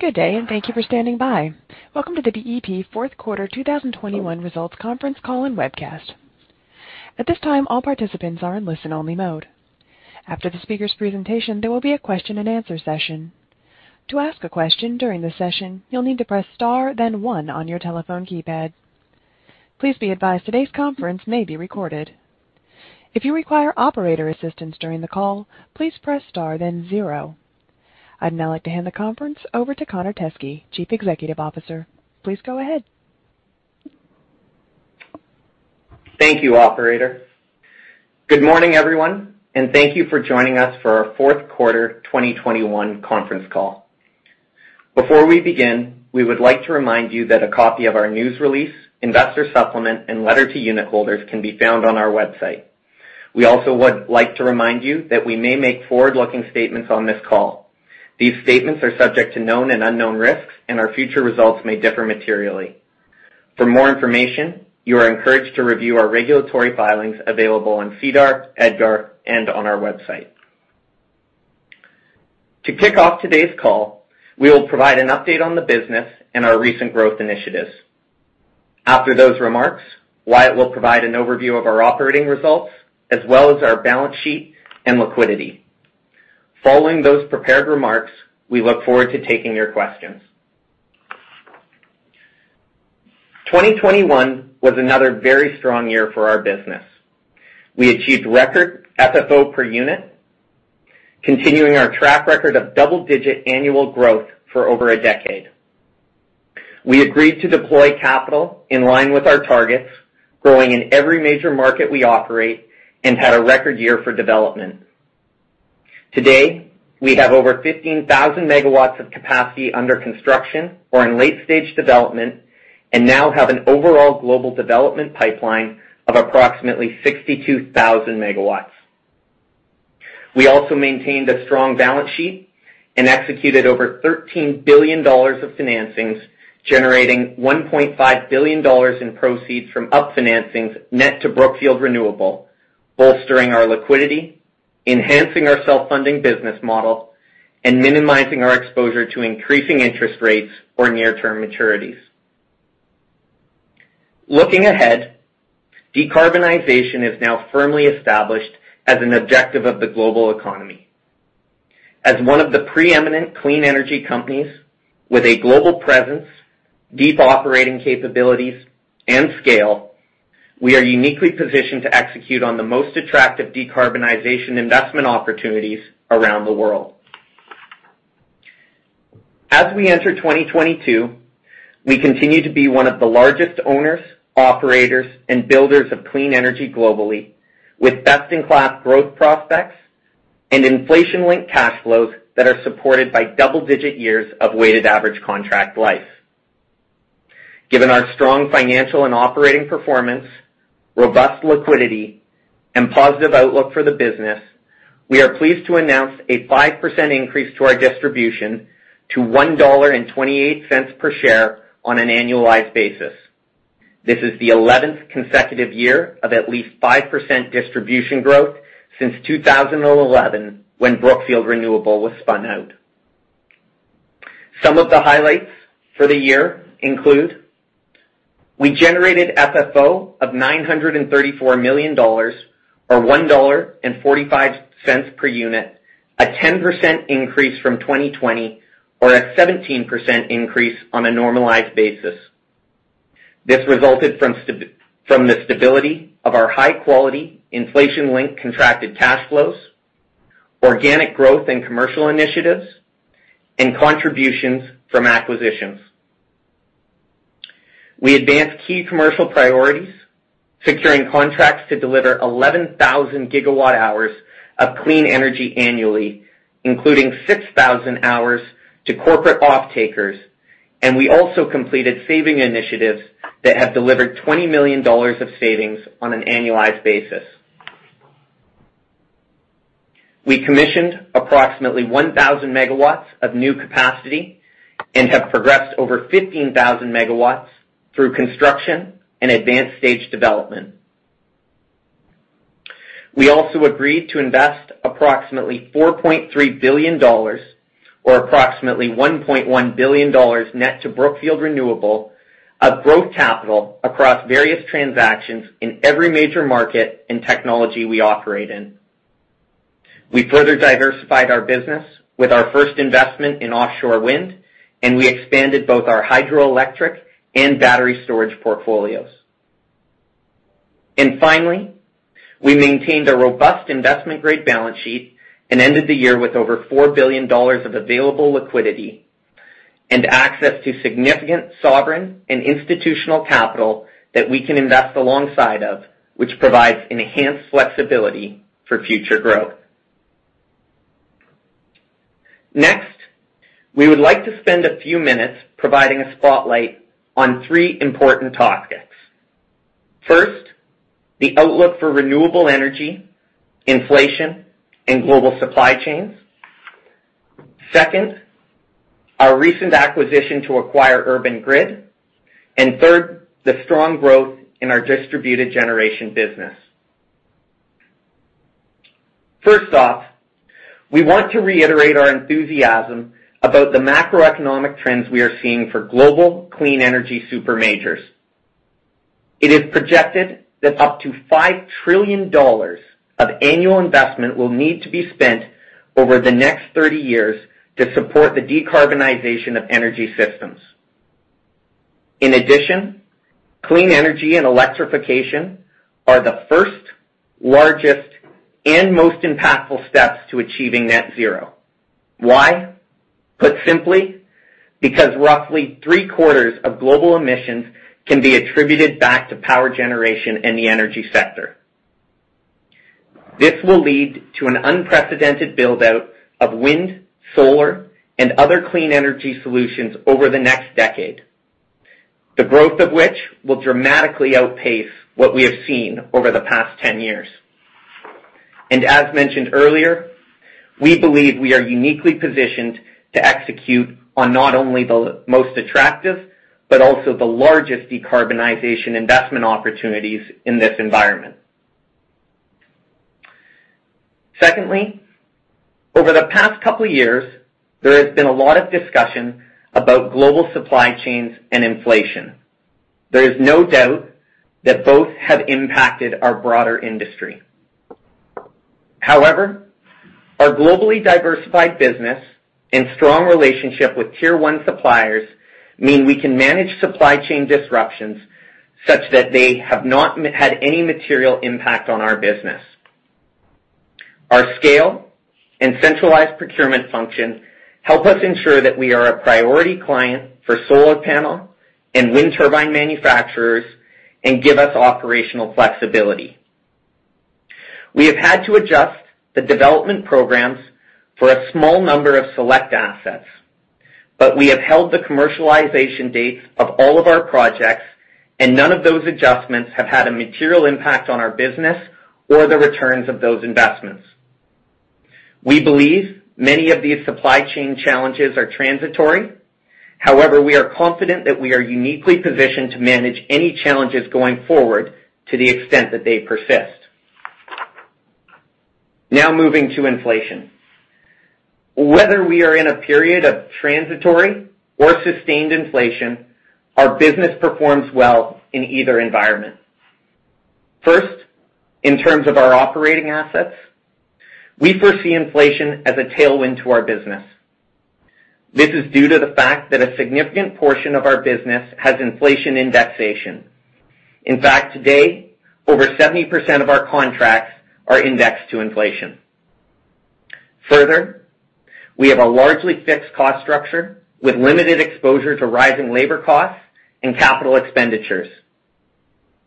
Good day, and thank you for standing by. Welcome to the BEP Q3 2021 results conference call and webcast. At this time, all participants are in listen-only mode. After the speaker's presentation, there will be a question-and-answer session. To ask a question during the session, you'll need to press Star, then one on your telephone keypad. Please be advised today's conference may be recorded. If you require operator assistance during the call, please press Star, then zero. I'd now like to hand the conference over to Connor Teskey, Chief Executive Officer. Please go ahead. Thank you, operator. Good morning, everyone, and thank you for joining us for our Q3 2021 conference call. Before we begin, we would like to remind you that a copy of our news release, investor supplement, and letter to unit holders can be found on our website. We also would like to remind you that we may make forward-looking statements on this call. These statements are subject to known and unknown risks, and our future results may differ materially. For more information, you are encouraged to review our regulatory filings available on SEDAR, EDGAR, and on our website. To kick off today's call, we will provide an update on the business and our recent growth initiatives. After those remarks, Wyatt will provide an overview of our operating results as well as our balance sheet and liquidity. Following those prepared remarks, we look forward to taking your questions. 2021 was another very strong year for our business. We achieved record FFO per unit, continuing our track record of double-digit annual growth for over a decade. We agreed to deploy capital in line with our targets, growing in every major market we operate, and had a record year for development. Today, we have over 15,000 MW of capacity under construction or in late-stage development and now have an overall global development pipeline of approximately 62,000 MW. We also maintained a strong balance sheet and executed over $13 billion of financings, generating $1.5 billion in proceeds from our financings net to Brookfield Renewable, bolstering our liquidity, enhancing our self-funding business model, and minimizing our exposure to increasing interest rates or near-term maturities. Looking ahead, decarbonization is now firmly established as an objective of the global economy. As one of the preeminent clean energy companies with a global presence, deep operating capabilities, and scale, we are uniquely positioned to execute on the most attractive decarbonization investment opportunities around the world. As we enter 2022, we continue to be one of the largest owners, operators, and builders of clean energy globally, with best-in-class growth prospects and inflation-linked cash flows that are supported by double-digit years of weighted average contract life. Given our strong financial and operating performance, robust liquidity, and positive outlook for the business, we are pleased to announce a 5% increase to our distribution to $1.28 per share on an annualized basis. This is the 11th consecutive year of at least 5% distribution growth since 2011 when Brookfield Renewable was spun out. Some of the highlights for the year include. We generated FFO of $934 million, or $1.45 per unit, a 10% increase from 2020, or a 17% increase on a normalized basis. This resulted from the stability of our high-quality inflation-linked contracted cash flows, organic growth and commercial initiatives, and contributions from acquisitions. We advanced key commercial priorities, securing contracts to deliver 11,000 GW hours of clean energy annually, including 6,000 gigawatt hours to corporate offtakers, and we also completed savings initiatives that have delivered $20 million of savings on an annualized basis. We commissioned approximately 1,000 MW of new capacity and have progressed over 15,000 MW through construction and advanced stage development. We also agreed to invest approximately $4.3 billion, or approximately $1.1 billion net to Brookfield Renewable, of growth capital across various transactions in every major market and technology we operate in. We further diversified our business with our first investment in offshore wind, and we expanded both our hydroelectric and battery storage portfolios. Finally, we maintained a robust investment-grade balance sheet and ended the year with over $4 billion of available liquidity and access to significant sovereign and institutional capital that we can invest alongside of, which provides enhanced flexibility for future growth. Next, we would like to spend a few minutes providing a spotlight on three important topics. First, the outlook for renewable energy, inflation, and global supply chains. Second, our recent acquisition to acquire Urban Grid. Third, the strong growth in our distributed generation business. First off, we want to reiterate our enthusiasm about the macroeconomic trends we are seeing for global clean energy super majors. It is projected that up to $5 trillion of annual investment will need to be spent over the next 30 years to support the decarbonization of energy systems. In addition, clean energy and electrification are the first, largest, and most impactful steps to achieving net zero. Why? Put simply, because roughly three-quarters of global emissions can be attributed back to power generation in the energy sector. This will lead to an unprecedented build-out of wind, solar, and other clean energy solutions over the next decade, the growth of which will dramatically outpace what we have seen over the past 10 years. As mentioned earlier, we believe we are uniquely positioned to execute on not only the most attractive, but also the largest decarbonization investment opportunities in this environment. Second, over the past couple years, there has been a lot of discussion about global supply chains and inflation. There is no doubt that both have impacted our broader industry. However, our globally diversified business and strong relationship with tier one suppliers mean we can manage supply chain disruptions such that they have not had any material impact on our business. Our scale and centralized procurement function help us ensure that we are a priority client for solar panel and wind turbine manufacturers and give us operational flexibility. We have had to adjust the development programs for a small number of select assets, but we have held the commercialization dates of all of our projects, and none of those adjustments have had a material impact on our business or the returns of those investments. We believe many of these supply chain challenges are transitory. However, we are confident that we are uniquely positioned to manage any challenges going forward to the extent that they persist. Now moving to inflation. Whether we are in a period of transitory or sustained inflation, our business performs well in either environment. First, in terms of our operating assets, we foresee inflation as a tailwind to our business. This is due to the fact that a significant portion of our business has inflation indexation. In fact, today, over 70% of our contracts are indexed to inflation. Further, we have a largely fixed cost structure with limited exposure to rising labor costs and capital expenditures.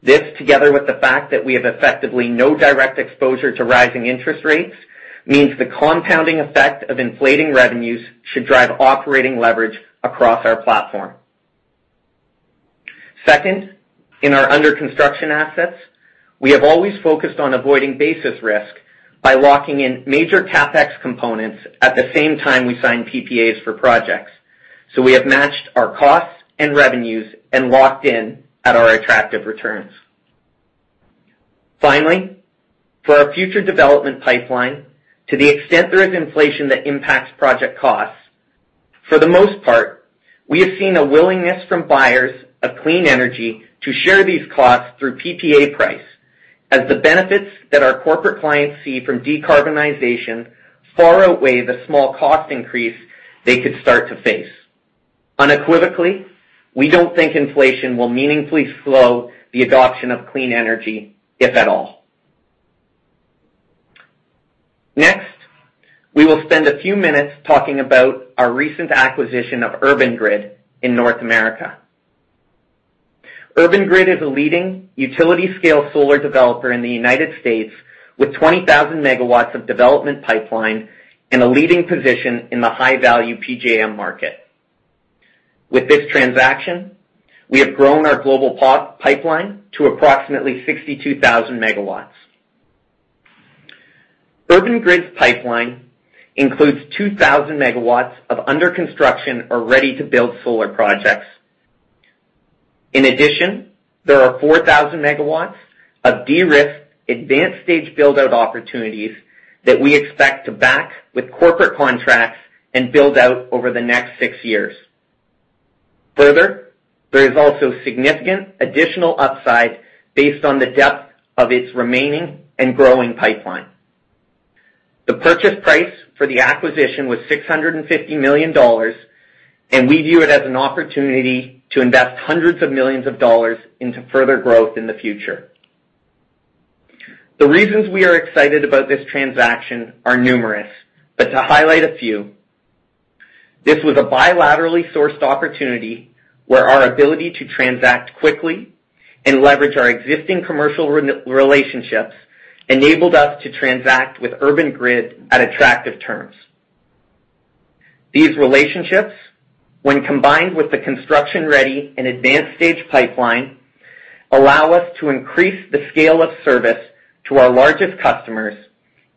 This, together with the fact that we have effectively no direct exposure to rising interest rates, means the compounding effect of inflating revenues should drive operating leverage across our platform. Second, in our under-construction assets, we have always focused on avoiding basis risk by locking in major CapEx components at the same time we sign PPAs for projects. So we have matched our costs and revenues and locked in at our attractive returns. Finally, for our future development pipeline, to the extent there is inflation that impacts project costs, for the most part, we have seen a willingness from buyers of clean energy to share these costs through PPA price as the benefits that our corporate clients see from decarbonization far outweigh the small cost increase they could start to face. Unequivocally, we don't think inflation will meaningfully slow the adoption of clean energy, if at all. Next, we will spend a few minutes talking about our recent acquisition of Urban Grid in North America. Urban Grid is a leading utility-scale solar developer in the United States with 20,000 MW of development pipeline and a leading position in the high-value PJM market. With this transaction, we have grown our global pipeline to approximately 62,000 MW. Urban Grid's pipeline includes 2,000 MW of under-construction or ready-to-build solar projects. In addition, there are 4,000 MW of de-risked, advanced-stage build-out opportunities that we expect to back with corporate contracts and build out over the next six years. Further, there is also significant additional upside based on the depth of its remaining and growing pipeline. The purchase price for the acquisition was $650 million, and we view it as an opportunity to invest hundreds of millions of dollars into further growth in the future. The reasons we are excited about this transaction are numerous, but to highlight a few, this was a bilaterally sourced opportunity where our ability to transact quickly and leverage our existing commercial relationships enabled us to transact with Urban Grid at attractive terms. These relationships, when combined with the construction-ready and advanced-stage pipeline, allow us to increase the scale of service to our largest customers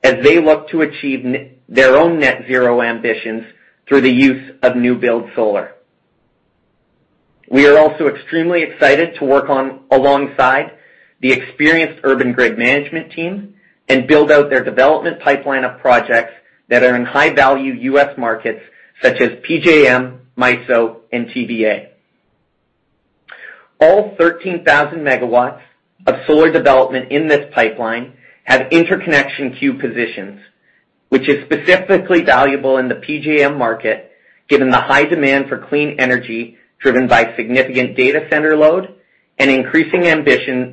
as they look to achieve their own net zero ambitions through the use of new-build solar. We are also extremely excited to work alongside the experienced Urban Grid management team and build out their development pipeline of projects that are in high-value US markets such as PJM, MISO, and TVA. All 13,000 MW of solar development in this pipeline have interconnection queue positions, which is specifically valuable in the PJM market, given the high demand for clean energy driven by significant data center load and increasingly ambitious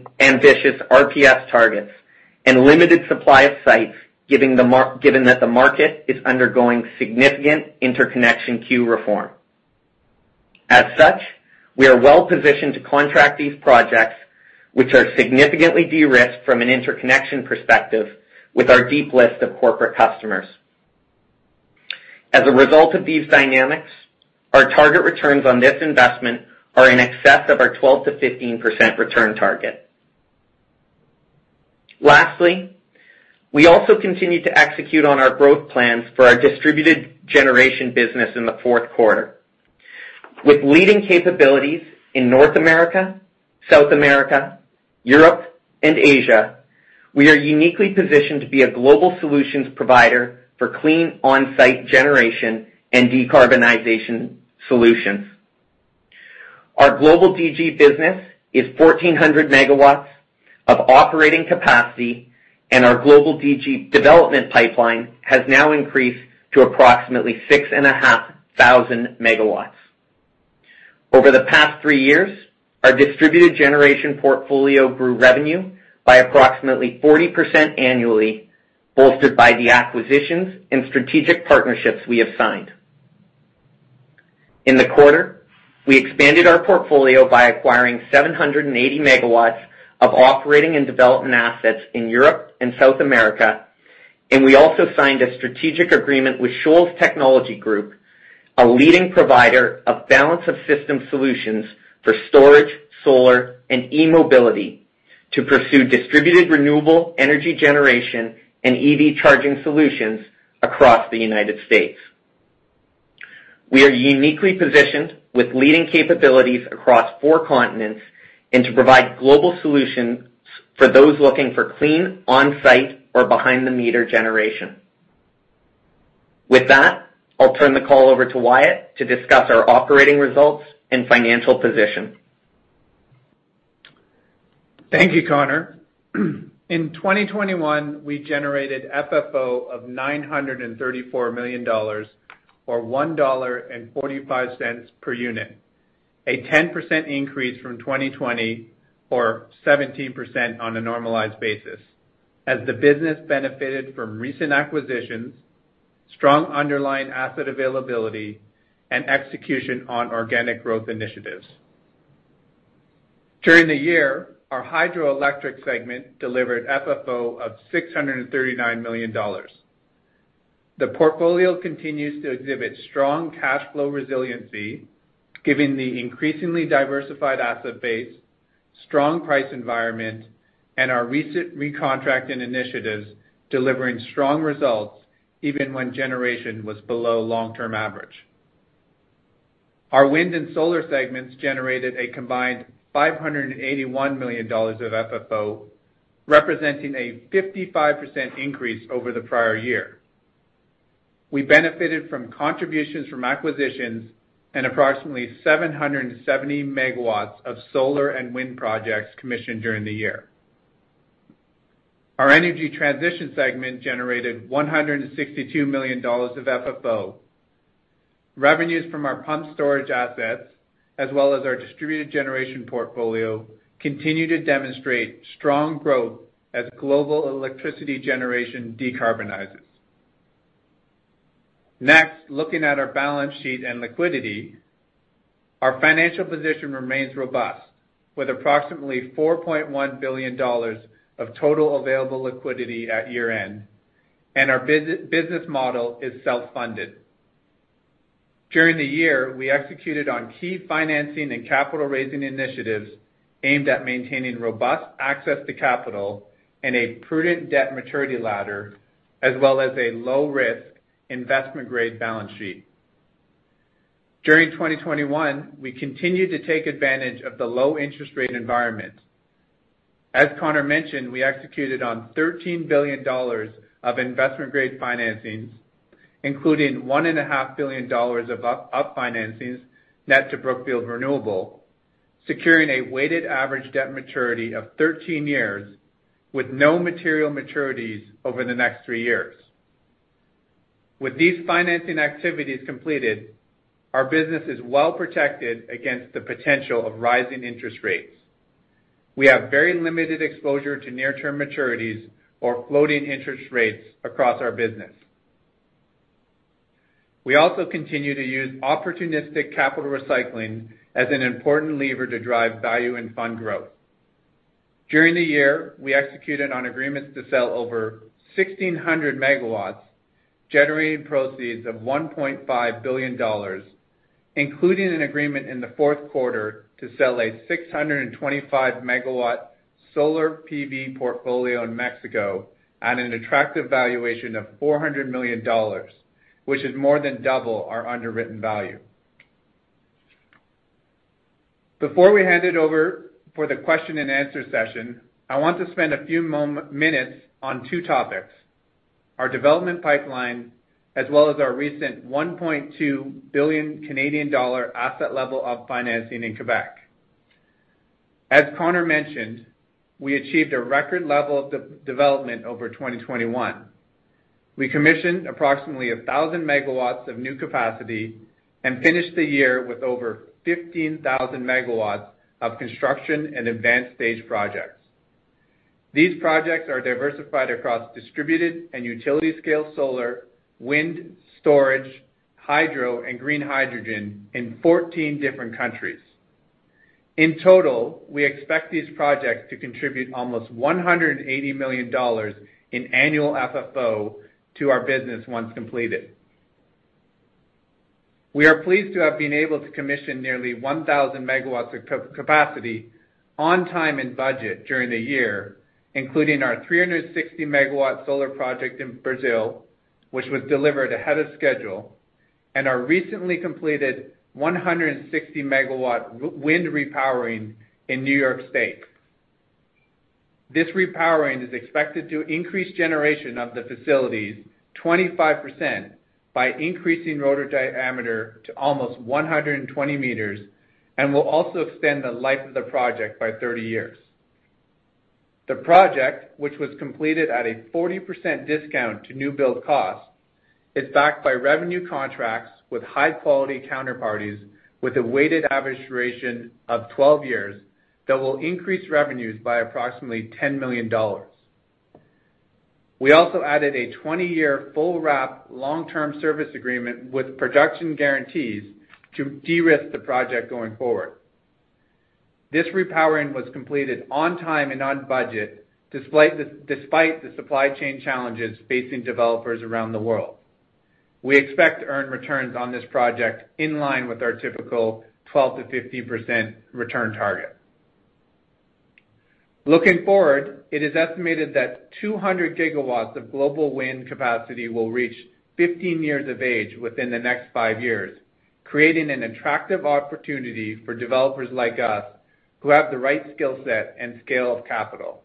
RPS targets and limited supply of sites, given that the market is undergoing significant interconnection queue reform. We are well-positioned to contract these projects, which are significantly de-risked from an interconnection perspective with our deep list of corporate customers. As a result of these dynamics, our target returns on this investment are in excess of our 12% to 15% return target. We also continue to execute on our growth plans for our distributed generation business in the Q3. With leading capabilities in North America, South America, Europe, and Asia, we are uniquely positioned to be a global solutions provider for clean on-site generation and decarbonization solutions. Our global DG business is 1,400 MW of operating capacity, and our global DG development pipeline has now increased to approximately 6,500 MW. Over the past three years, our distributed generation portfolio grew revenue by approximately 40% annually, bolstered by the acquisitions and strategic partnerships we have signed. In the quarter, we expanded our portfolio by acquiring 780 MW of operating and development assets in Europe and South America, and we also signed a strategic agreement with Shoals Technologies Group, a leading provider of balance of system solutions for storage, solar, and e-mobility to pursue distributed renewable energy generation and EV charging solutions across the United States. We are uniquely positioned with leading capabilities across four continents and to provide global solutions for those looking for clean on-site or behind-the-meter generation. With that, I'll turn the call over to Wyatt to discuss our operating results and financial position. Thank you, Connor. In 2021, we generated FFO of $934 million or $1.45 per unit, a 10% increase from 2020 or 17% on a normalized basis as the business benefited from recent acquisitions, strong underlying asset availability, and execution on organic growth initiatives. During the year, our Hydroelectric segment delivered FFO of $639 million. The portfolio continues to exhibit strong cash flow resiliency, given the increasingly diversified asset base, strong price environment, and our recent recontracting initiatives delivering strong results even when generation was below long-term average. Our Wind and Solar segments generated a combined $581 million of FFO, representing a 55% increase over the prior year. We benefited from contributions from acquisitions and approximately 770 MW of Solar and Wind projects commissioned during the year. Our energy transition segment generated $162 million of FFO. Revenues from our pumped storage assets, as well as our distributed generation portfolio, continue to demonstrate strong growth as global electricity generation decarbonizes. Next, looking at our balance sheet and liquidity. Our financial position remains robust, with approximately $4.1 billion of total available liquidity at year-end, and our business model is self-funded. During the year, we executed on key financing and capital raising initiatives aimed at maintaining robust access to capital and a prudent debt maturity ladder, as well as a low-risk investment-grade balance sheet. During 2021, we continued to take advantage of the low interest rate environment. As Connor mentioned, we executed on $13 billion of investment-grade financings, including $1.5 billion of upfinancings net to Brookfield Renewable, securing a weighted average debt maturity of 13 years with no material maturities over the next three years. With these financing activities completed, our business is well protected against the potential of rising interest rates. We have very limited exposure to near-term maturities or floating interest rates across our business. We also continue to use opportunistic capital recycling as an important lever to drive value and fund growth. During the year, we executed on agreements to sell over 1,600 MW, generating proceeds of $1.5 billion, including an agreement in the Q3 to sell a 625 MW Solar PV portfolio in Mexico at an attractive valuation of $400 million, which is more than double our underwritten value. Before we hand it over for the question and answer session, I want to spend a few minutes on two topics, our development pipeline, as well as our recent 1.2 billion Canadian dollar asset level financing in Quebec. As Connor mentioned, we achieved a record level of development over 2021. We commissioned approximately 1,000 MW of new capacity and finished the year with over 15,000 MW of construction and advanced stage projects. These projects are diversified across distributed and utility scale solar, wind, storage, hydro and green hydrogen in 14 different countries. In total, we expect these projects to contribute almost $180 million in annual FFO to our business once completed. We are pleased to have been able to commission nearly 1,000 MW of capacity on time and budget during the year, including our 360 MW solar project in Brazil, which was delivered ahead of schedule, and our recently completed 160 MW wind repowering in New York State. This repowering is expected to increase generation of the facilities 25% by increasing rotor diameter to almost 120 m, and will also extend the life of the project by 30 years. The project, which was completed at a 40% discount to new build cost, is backed by revenue contracts with high quality counterparties, with a weighted average duration of 12 years that will increase revenues by approximately $10 million. We also added a 20 year full wrap long-term service agreement with production guarantees to de-risk the project going forward. This repowering was completed on time and on budget, despite the supply chain challenges facing developers around the world. We expect to earn returns on this project in line with our typical 12% to 15% return target. Looking forward, it is estimated that 200 gigawatts of global wind capacity will reach 15 years of age within the next five years, creating an attractive opportunity for developers like us who have the right skill set and scale of capital.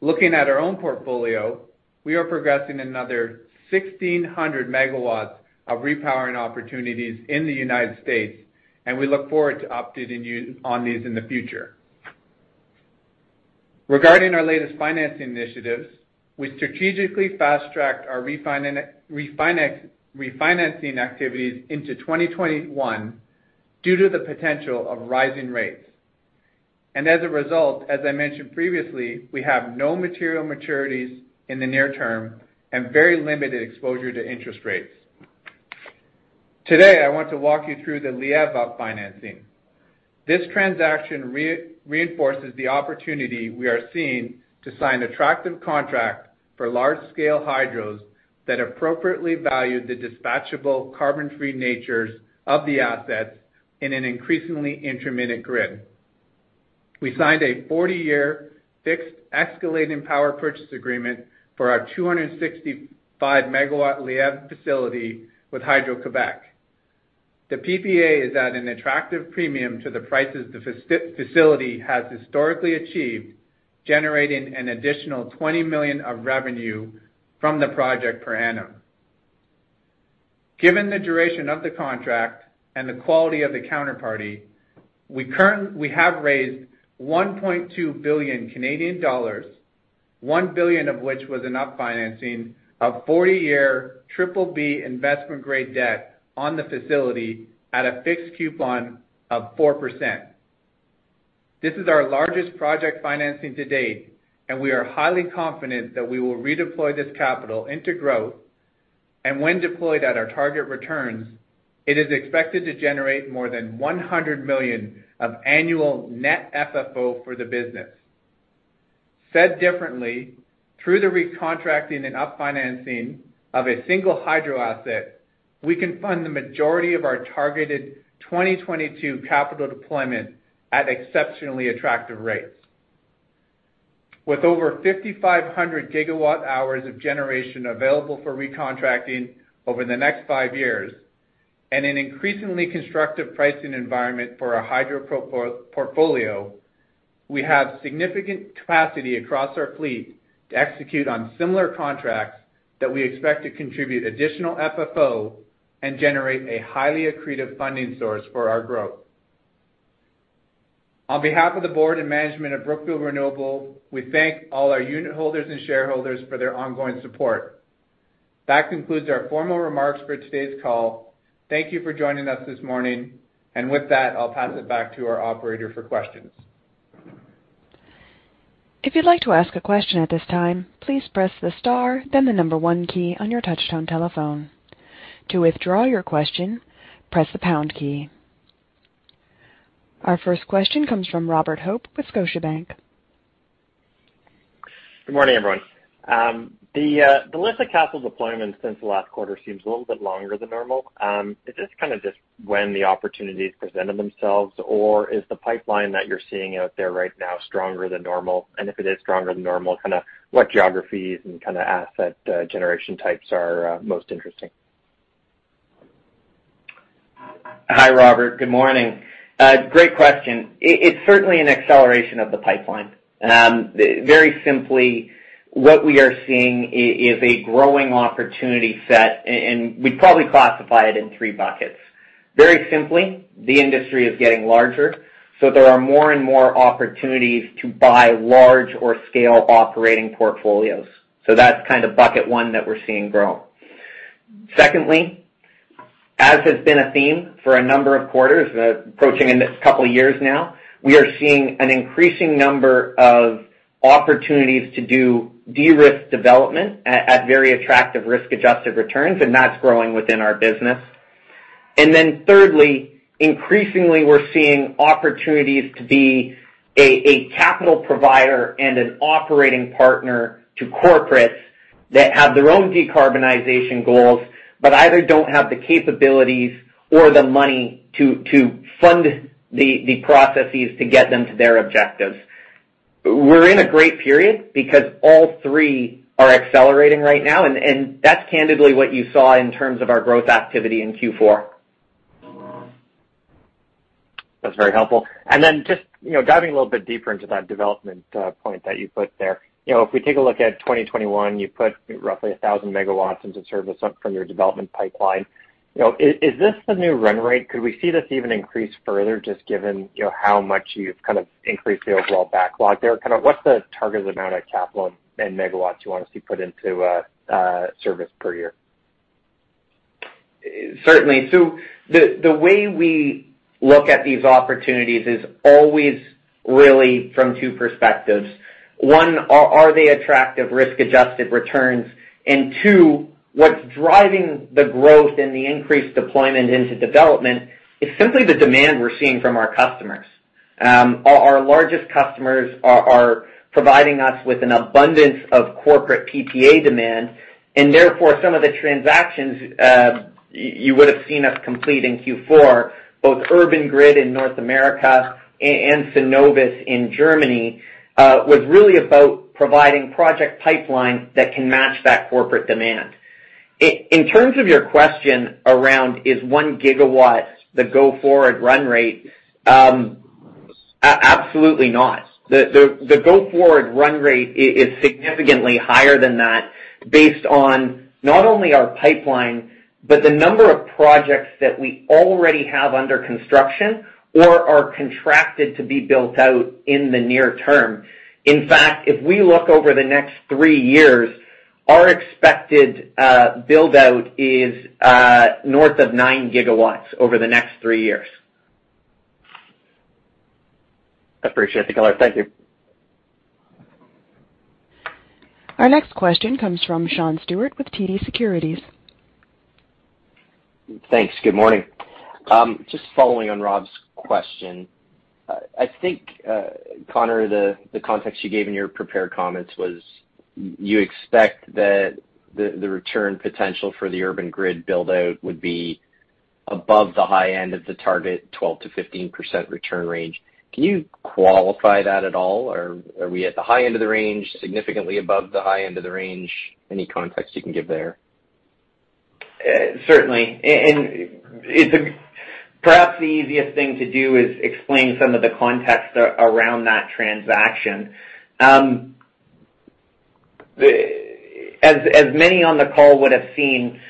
Looking at our own portfolio, we are progressing another 1,600 MW of repowering opportunities in the United States, and we look forward to updating you on these in the future. Regarding our latest financing initiatives, we strategically fast-tracked our refinancing activities into 2021 due to the potential of rising rates. As a result, as I mentioned previously, we have no material maturities in the near term and very limited exposure to interest rates. Today, I want to walk you through the Liège up financing. This transaction reinforces the opportunity we are seeing to sign attractive contract for large-scale hydros that appropriately value the dispatchable carbon-free natures of the assets in an increasingly intermittent grid. We signed a 40-year fixed escalating power purchase agreement for our 265 MW Liège facility with Hydro-Québec. The PPA is at an attractive premium to the prices the facility has historically achieved, generating an additional $20 million of revenue from the project per annum. Given the duration of the contract and the quality of the counterparty, we have raised 1.2 billion Canadian dollars, 1 billion of which was equity financing of 40-year BBB investment-grade debt on the facility at a fixed coupon of 4%. This is our largest project financing to date, and we are highly confident that we will redeploy this capital into growth. When deployed at our target returns, it is expected to generate more than $100 million of annual net FFO for the business. Said differently, through the recontracting and up financing of a single hydro asset, we can fund the majority of our targeted 2022 capital deployment at exceptionally attractive rates. With over 5,500 GW hours of generation available for recontracting over the next five years, and an increasingly constructive pricing environment for our hydro portfolio, we have significant capacity across our fleet to execute on similar contracts that we expect to contribute additional FFO and generate a highly accretive funding source for our growth. On behalf of the board and management of Brookfield Renewable, we thank all our unit holders and shareholders for their ongoing support. That concludes our formal remarks for today's call. Thank you for joining us this morning. With that, I'll pass it back to our operator for questions. Our first question comes from Robert Hope with Scotiabank. Good morning, everyone. The list of capital deployments since the last quarter seems a little bit longer than normal. Is this kind of just when the opportunities presented themselves or is the pipeline that you're seeing out there right now stronger than normal? If it is stronger than normal, kinda what geographies and kinda asset generation types are most interesting? Hi, Robert. Good morning. Great question. It's certainly an acceleration of the pipeline. Very simply, what we are seeing is a growing opportunity set, and we'd probably classify it in three buckets. Very simply, the industry is getting larger, so there are more and more opportunities to buy large or scale operating portfolios. That's kind of bucket one that we're seeing grow. Secondly, as has been a theme for a number of quarters, approaching in this couple of years now, we are seeing an increasing number of opportunities to do de-risk development at very attractive risk-adjusted returns, and that's growing within our business. Thirdly, increasingly we're seeing opportunities to be a capital provider and an operating partner to corporates that have their own decarbonization goals, but either don't have the capabilities or the money to fund the processes to get them to their objectives. We're in a great period because all three are accelerating right now, and that's candidly what you saw in terms of our growth activity in Q4. That's very helpful. Just, you know, diving a little bit deeper into that development point that you put there. You know, if we take a look at 2021, you put roughly 1,000 MW into service from your development pipeline. You know, is this the new run rate? Could we see this even increase further just given, you know, how much you've kind of increased the overall backlog there? Kinda, what's the target amount of capital and megawatts you want to see put into service per year? Certainly. The way we look at these opportunities is always really from two perspectives. One, are they attractive risk-adjusted returns? And two, what's driving the growth and the increased deployment into development is simply the demand we're seeing from our customers. Our largest customers are providing us with an abundance of corporate PPA demand, and therefore, some of the transactions you would've seen us complete in Q4, both Urban Grid in North America and Sunovis in Germany, was really about providing project pipeline that can match that corporate demand. In terms of your question around is 1 GW the go-forward run rate, absolutely not. The go-forward run rate is significantly higher than that based on not only our pipeline, but the number of projects that we already have under construction or are contracted to be built out in the near term. In fact, if we look over the next three years, our expected build-out is north of 9 GW over the next three years. Appreciate the color. Thank you. Our next question comes from Sean Steuart with TD Securities. Thanks. Good morning. Just following on Rob's question. I think, Connor, the context you gave in your prepared comments was you expect that the return potential for the Urban Grid build-out would be above the high end of the target, 12% to 15% return range. Can you qualify that at all? Or are we at the high end of the range, significantly above the high end of the range? Any context you can give there? Certainly. Perhaps the easiest thing to do is explain some of the context around that transaction. Many on the call would have seen,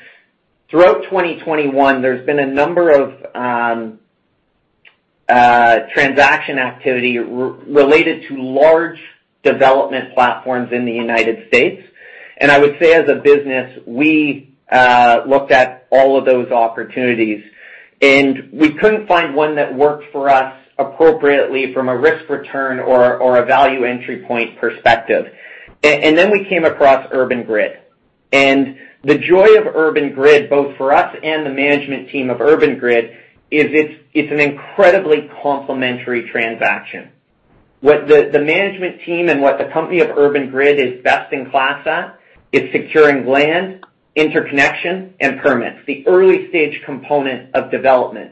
throughout 2021, there's been a number of transaction activity related to large development platforms in the United States. I would say as a business, we looked at all of those opportunities, and we couldn't find one that worked for us appropriately from a risk-return or a value entry point perspective. We came across Urban Grid. The joy of Urban Grid, both for us and the management team of Urban Grid, is it's an incredibly complementary transaction. What the management team and what the company of Urban Grid is best in class at is securing land, interconnection, and permits, the early-stage component of development.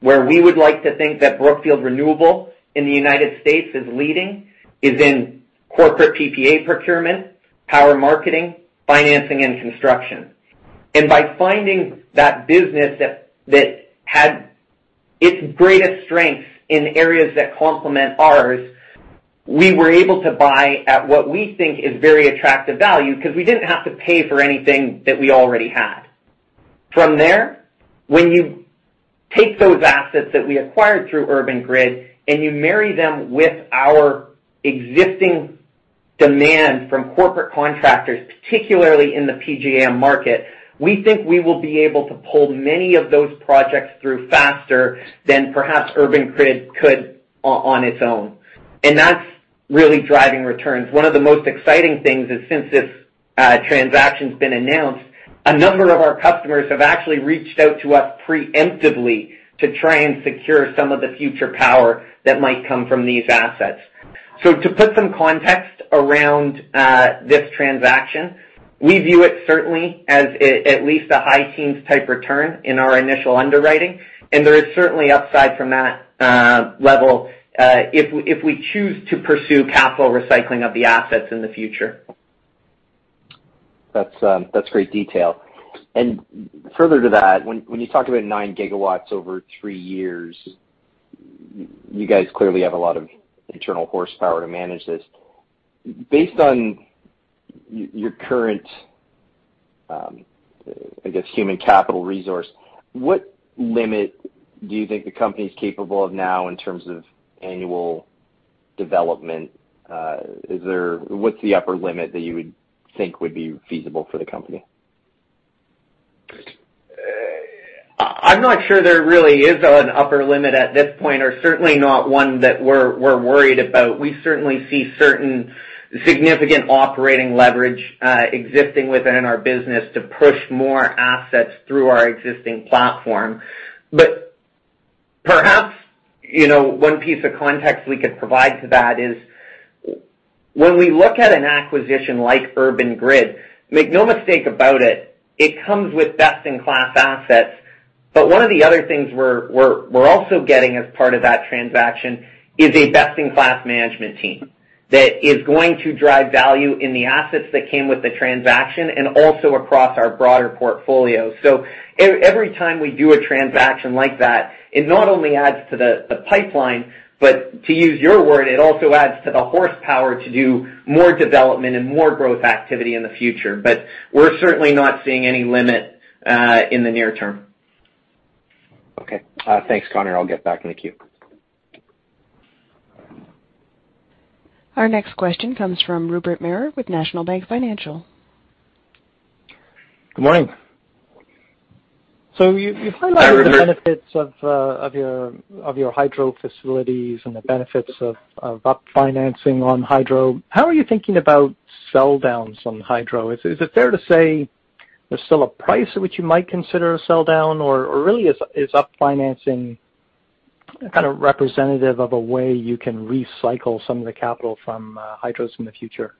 Where we would like to think that Brookfield Renewable in the United States is leading is in corporate PPA procurement, power marketing, financing, and construction. By finding that business that had its greatest strengths in areas that complement ours, we were able to buy at what we think is very attractive value because we didn't have to pay for anything that we already had. From there, when you take those assets that we acquired through Urban Grid and you marry them with our existing demand from corporate contractors, particularly in the PJM market, we think we will be able to pull many of those projects through faster than perhaps Urban Grid could on its own. That's really driving returns. One of the most exciting things is since this transaction's been announced, a number of our customers have actually reached out to us preemptively to try and secure some of the future power that might come from these assets. To put some context around this transaction, we view it certainly as at least a high teens type return in our initial underwriting, and there is certainly upside from that level if we choose to pursue capital recycling of the assets in the future. That's great detail. Further to that, when you talk about 9 GW over three years, you guys clearly have a lot of internal horsepower to manage this. Based on your current, I guess, human capital resource, what limit do you think the company is capable of now in terms of annual development? What's the upper limit that you would think would be feasible for the company? I'm not sure there really is an upper limit at this point, or certainly not one that we're worried about. We certainly see certain significant operating leverage existing within our business to push more assets through our existing platform. Perhaps, you know, one piece of context we could provide to that is when we look at an acquisition like Urban Grid, make no mistake about it comes with best-in-class assets. One of the other things we're also getting as part of that transaction is a best-in-class management team that is going to drive value in the assets that came with the transaction and also across our broader portfolio. Every time we do a transaction like that, it not only adds to the pipeline, but to use your word, it also adds to the horsepower to do more development and more growth activity in the future. We're certainly not seeing any limit in the near term. Okay. Thanks, Connor. I'll get back in the queue. Our next question comes from Rupert Merer with National Bank Financial. Good morning. Hi, Rupert. You've highlighted the benefits of your hydro facilities and the benefits of up financing on hydro. How are you thinking about sell downs on hydro? Is it fair to say there's still a price at which you might consider a sell down? Or really is up financing kind of representative of a way you can recycle some of the capital from hydros in the future?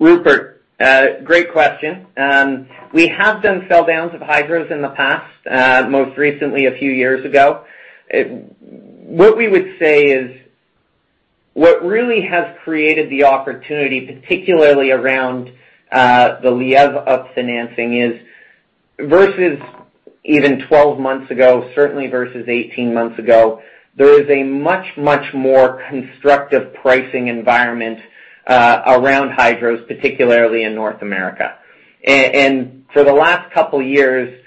Rupert, great question. We have done sell downs of hydros in the past, most recently a few years ago. What we would say is, what really has created the opportunity, particularly around the Liege up financing is, versus even 12 months ago, certainly versus 18 months ago, there is a much, much more constructive pricing environment around hydros, particularly in North America. And for the last couple of years,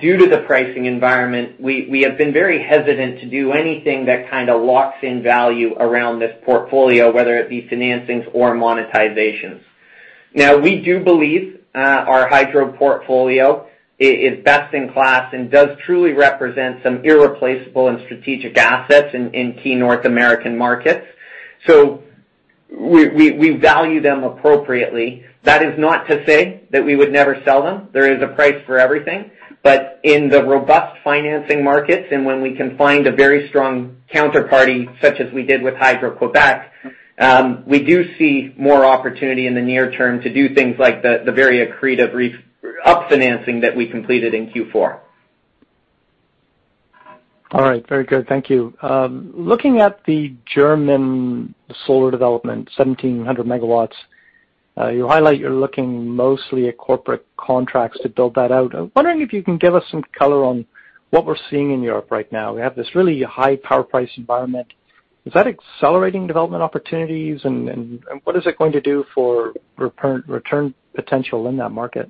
due to the pricing environment, we have been very hesitant to do anything that kind of locks in value around this portfolio, whether it be financings or monetizations. Now, we do believe our hydro portfolio is best in class and does truly represent some irreplaceable and strategic assets in key North American markets. We value them appropriately. That is not to say that we would never sell them. There is a price for everything. In the robust financing markets, and when we can find a very strong counterparty, such as we did with Hydro-Québec, we do see more opportunity in the near term to do things like the very accretive refinancing that we completed in Q4. All right. Very good. Thank you. Looking at the German solar development, 1,700 MW, you highlight you're looking mostly at corporate contracts to build that out. I'm wondering if you can give us some color on what we're seeing in Europe right now. We have this really high power price environment. Is that accelerating development opportunities? What is it going to do for return potential in that market?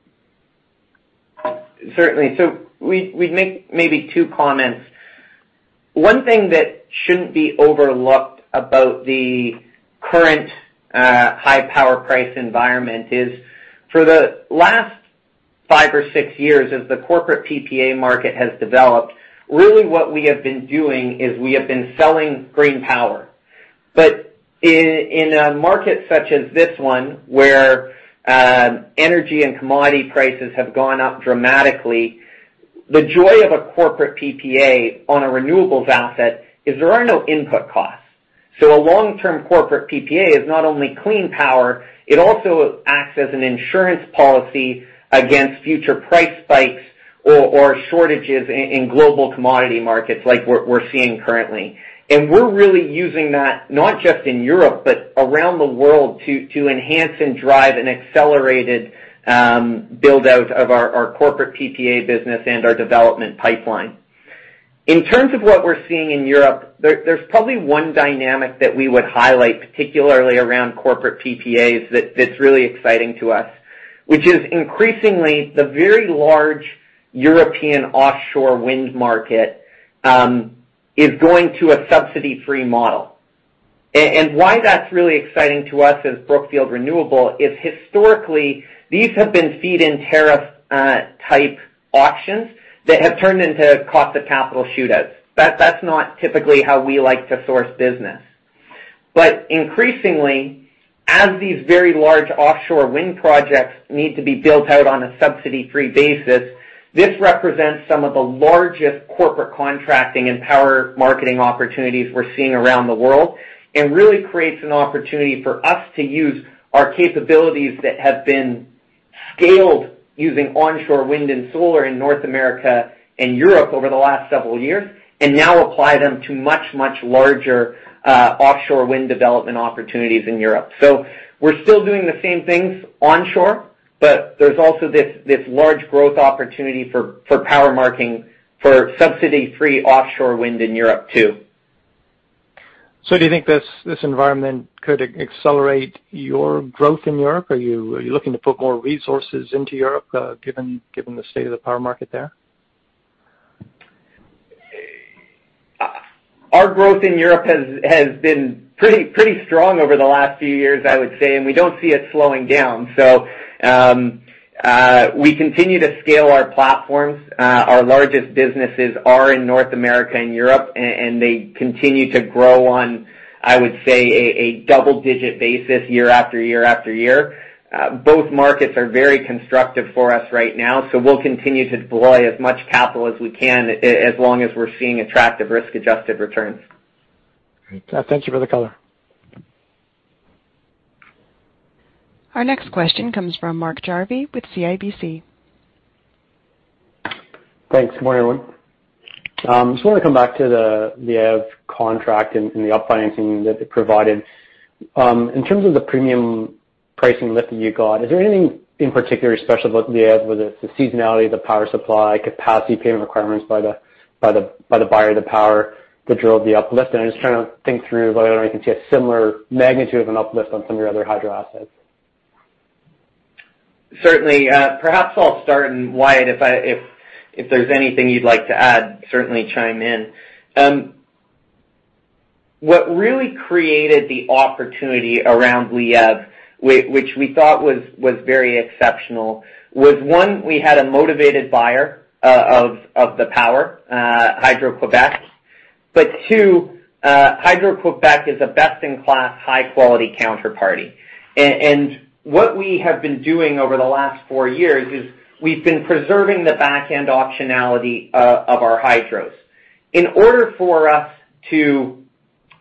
Certainly. We make maybe two comments. One thing that shouldn't be overlooked about the current high power price environment is for the last five or six years, as the corporate PPA market has developed, really what we have been doing is we have been selling green power. In a market such as this one, where energy and commodity prices have gone up dramatically, the joy of a corporate PPA on a renewables asset is there are no input costs. A long-term corporate PPA is not only clean power, it also acts as an insurance policy against future price spikes or shortages in global commodity markets like we're seeing currently. We're really using that not just in Europe, but around the world to enhance and drive an accelerated build-out of our corporate PPA business and our development pipeline. In terms of what we're seeing in Europe, there's probably one dynamic that we would highlight, particularly around corporate PPAs, that's really exciting to us, which is increasingly the very large European offshore wind market is going to a subsidy-free model. Why that's really exciting to us as Brookfield Renewable is historically, these have been feed-in tariff type auctions that have turned into cost of capital shootouts. That's not typically how we like to source business. Increasingly, as these very large offshore wind projects need to be built out on a subsidy-free basis, this represents some of the largest corporate contracting and power marketing opportunities we're seeing around the world. Really creates an opportunity for us to use our capabilities that have been scaled using onshore wind and solar in North America and Europe over the last several years, and now apply them to much larger offshore wind development opportunities in Europe. We're still doing the same things onshore, but there's also this large growth opportunity for power marketing for subsidy-free offshore wind in Europe too. Do you think this environment could accelerate your growth in Europe? Are you looking to put more resources into Europe, given the state of the power market there? Our growth in Europe has been pretty strong over the last few years, I would say, and we don't see it slowing down. We continue to scale our platforms. Our largest businesses are in North America and Europe, and they continue to grow on, I would say, a double-digit basis year after year after year. Both markets are very constructive for us right now, so we'll continue to deploy as much capital as we can as long as we're seeing attractive risk-adjusted returns. Great. Thank you for the color. Our next question comes from Mark Jarvi with CIBC. Thanks. Good morning, everyone. Just wanna come back to the Liege contract and the upfront financing that it provided. In terms of the premium pricing lift that you got, is there anything in particular special about Liege, whether it's the seasonality of the power supply, capacity payment requirements by the buyer of the power that drove the uplift? I'm just trying to think through whether I can see a similar magnitude of an uplift on some of your other hydro assets. Certainly. Perhaps I'll start, and Wyatt, if there's anything you'd like to add, certainly chime in. What really created the opportunity around Liege, which we thought was very exceptional, was one, we had a motivated buyer of the power, Hydro-Québec. Two, Hydro-Québec is a best-in-class, high-quality counterparty. What we have been doing over the last four years is we've been preserving the backend optionality of our hydros. In order for us to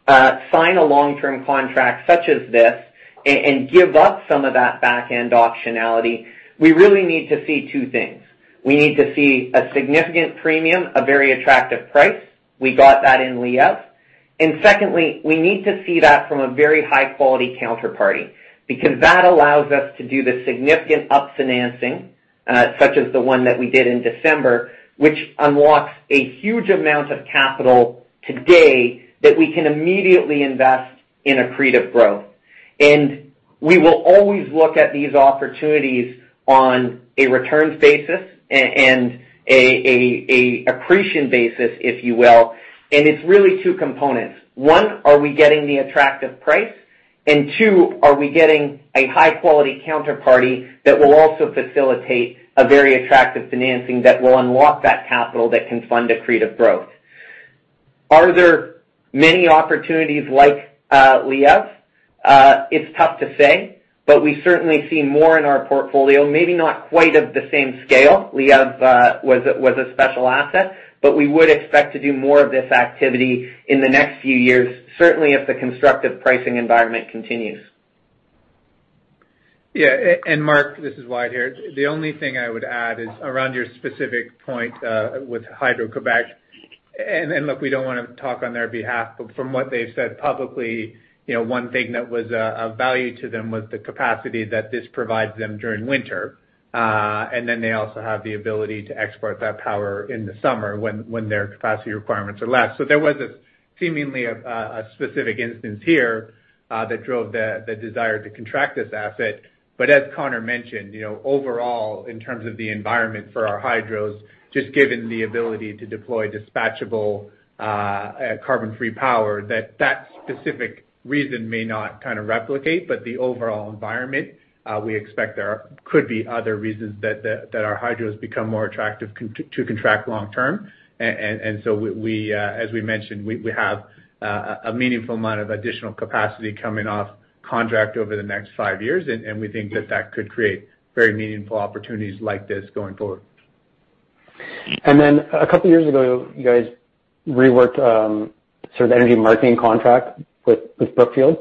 sign a long-term contract such as this and give up some of that backend optionality, we really need to see two things. We need to see a significant premium, a very attractive price. We got that in Liege. Secondly, we need to see that from a very high-quality counterparty. Because that allows us to do the significant upside financing, such as the one that we did in December, which unlocks a huge amount of capital today that we can immediately invest in accretive growth. We will always look at these opportunities on a returns basis and an accretion basis, if you will. It's really two components. One, are we getting the attractive price? Two, are we getting a high-quality counterparty that will also facilitate a very attractive financing that will unlock that capital that can fund accretive growth? Are there many opportunities like Liege? It's tough to say, but we certainly see more in our portfolio, maybe not quite of the same scale. Liege was a special asset, but we would expect to do more of this activity in the next few years, certainly if the constructive pricing environment continues. Yeah. Mark, this is Wyatt here. The only thing I would add is around your specific point with Hydro-Québec. Look, we don't wanna talk on their behalf, but from what they've said publicly, you know, one thing that was of value to them was the capacity that this provides them during winter. They also have the ability to export that power in the summer when their capacity requirements are less. There was seemingly a specific instance here that drove the desire to contract this asset. As Connor mentioned, you know, overall, in terms of the environment for our hydros, just given the ability to deploy dispatchable, carbon-free power, that specific reason may not kind of replicate, but the overall environment, we expect there could be other reasons that our hydros become more attractive to contract long term. We, as we mentioned, have a meaningful amount of additional capacity coming off contract over the next five years, and we think that could create very meaningful opportunities like this going forward. A couple years ago, you guys reworked sort of energy marketing contract with Brookfield.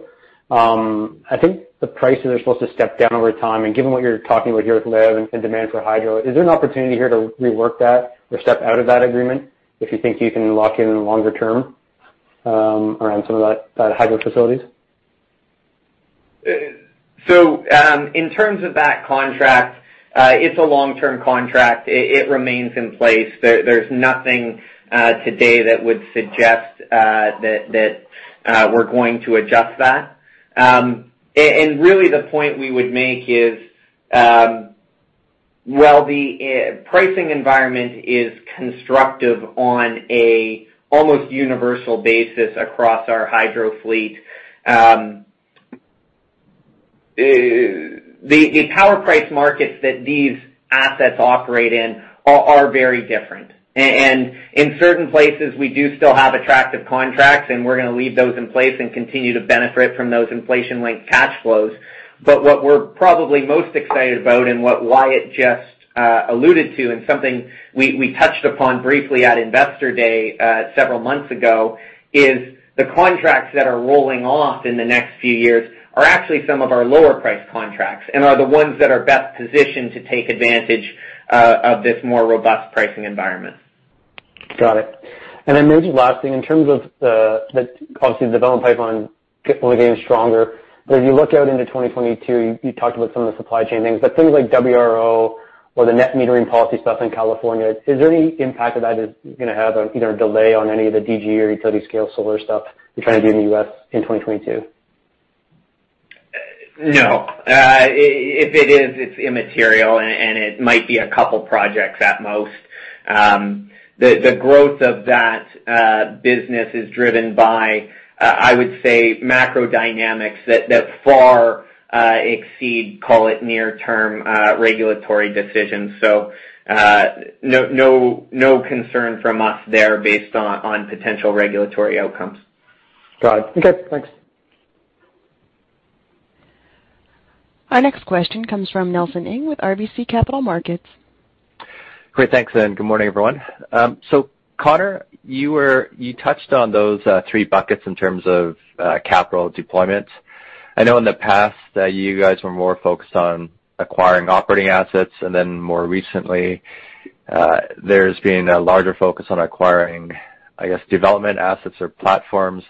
I think the prices are supposed to step down over time. Given what you're talking about here with Liege and demand for hydro, is there an opportunity here to rework that or step out of that agreement if you think you can lock in longer term around some of the hydro facilities? In terms of that contract, it's a long-term contract. It remains in place. There's nothing today that would suggest that we're going to adjust that. Really the point we would make is, while the pricing environment is constructive on almost universal basis across our hydro fleet, the power price markets that these assets operate in are very different. In certain places, we do still have attractive contracts, and we're gonna leave those in place and continue to benefit from those inflation-linked cash flows. What we're probably most excited about and what Wyatt just alluded to and something we touched upon briefly at Investor Day several months ago is the contracts that are rolling off in the next few years are actually some of our lower-priced contracts and are the ones that are best positioned to take advantage of this more robust pricing environment. Got it. Maybe last thing, in terms of the obviously, the development pipeline getting stronger. When you look out into 2022, you talked about some of the supply chain things, but things like WRO or the net metering policy stuff in California, is there any impact that that is gonna have on either a delay on any of the DG or utility scale solar stuff you're trying to do in the US in 2022? No. If it is, it's immaterial, and it might be a couple projects at most. The growth of that business is driven by, I would say, macro dynamics that far exceed, call it near-term, regulatory decisions. No concern from us there based on potential regulatory outcomes. Got it. Okay, thanks. Our next question comes from Nelson Ng with RBC Capital Markets. Great. Thanks, and good morning, everyone. Connor, you touched on those three buckets in terms of capital deployment. I know in the past, you guys were more focused on acquiring operating assets, and then more recently, there's been a larger focus on acquiring, I guess, development assets or platforms.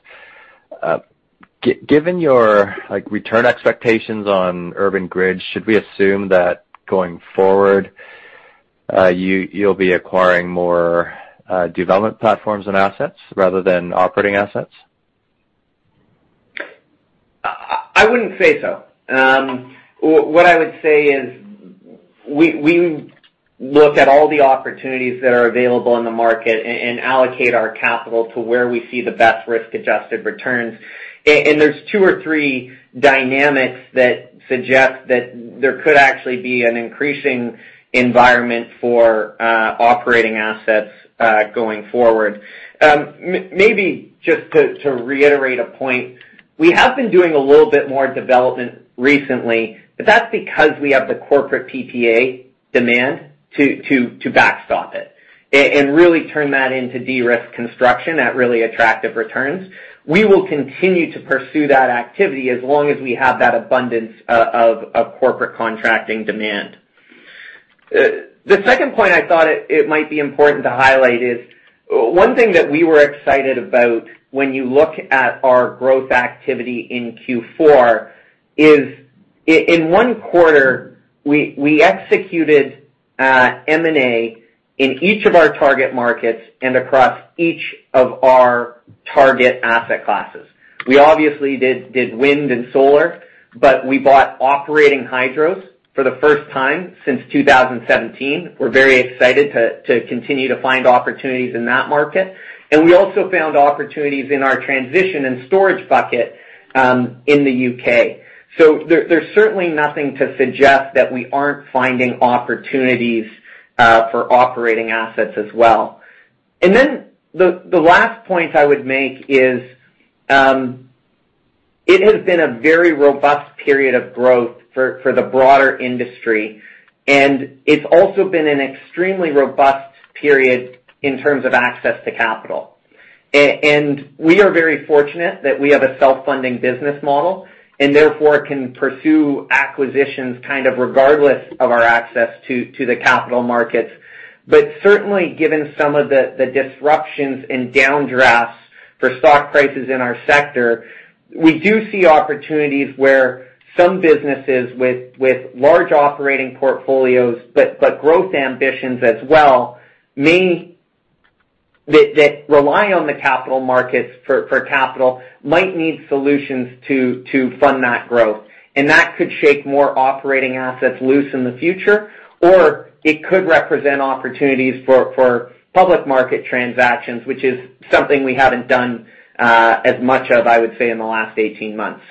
Given your, like, return expectations on Urban Grid, should we assume that going forward, you'll be acquiring more development platforms and assets rather than operating assets? I wouldn't say so. What I would say is we look at all the opportunities that are available in the market and allocate our capital to where we see the best risk-adjusted returns. There's two or three dynamics that suggest that there could actually be an increasing environment for operating assets going forward. Maybe just to reiterate a point, we have been doing a little bit more development recently, but that's because we have the corporate PPA demand to backstop it and really turn that into de-risk construction at really attractive returns. We will continue to pursue that activity as long as we have that abundance of corporate contracting demand. The second point I thought it might be important to highlight is, one thing that we were excited about when you look at our growth activity in Q4 is in one quarter, we executed M&A in each of our target markets and across each of our target asset classes. We obviously did wind and solar, but we bought operating hydros for the first time since 2017. We're very excited to continue to find opportunities in that market. We also found opportunities in our transition and storage bucket in the UK. There's certainly nothing to suggest that we aren't finding opportunities for operating assets as well. The last point I would make is, it has been a very robust period of growth for the broader industry, and it's also been an extremely robust period in terms of access to capital. And we are very fortunate that we have a self-funding business model and therefore can pursue acquisitions kind of regardless of our access to the capital markets. Certainly, given some of the disruptions and downdrafts for stock prices in our sector, we do see opportunities where some businesses with large operating portfolios, but growth ambitions as well, that rely on the capital markets for capital, might need solutions to fund that growth. That could shake more operating assets loose in the future, or it could represent opportunities for public market transactions, which is something we haven't done as much of, I would say, in the last 18 months.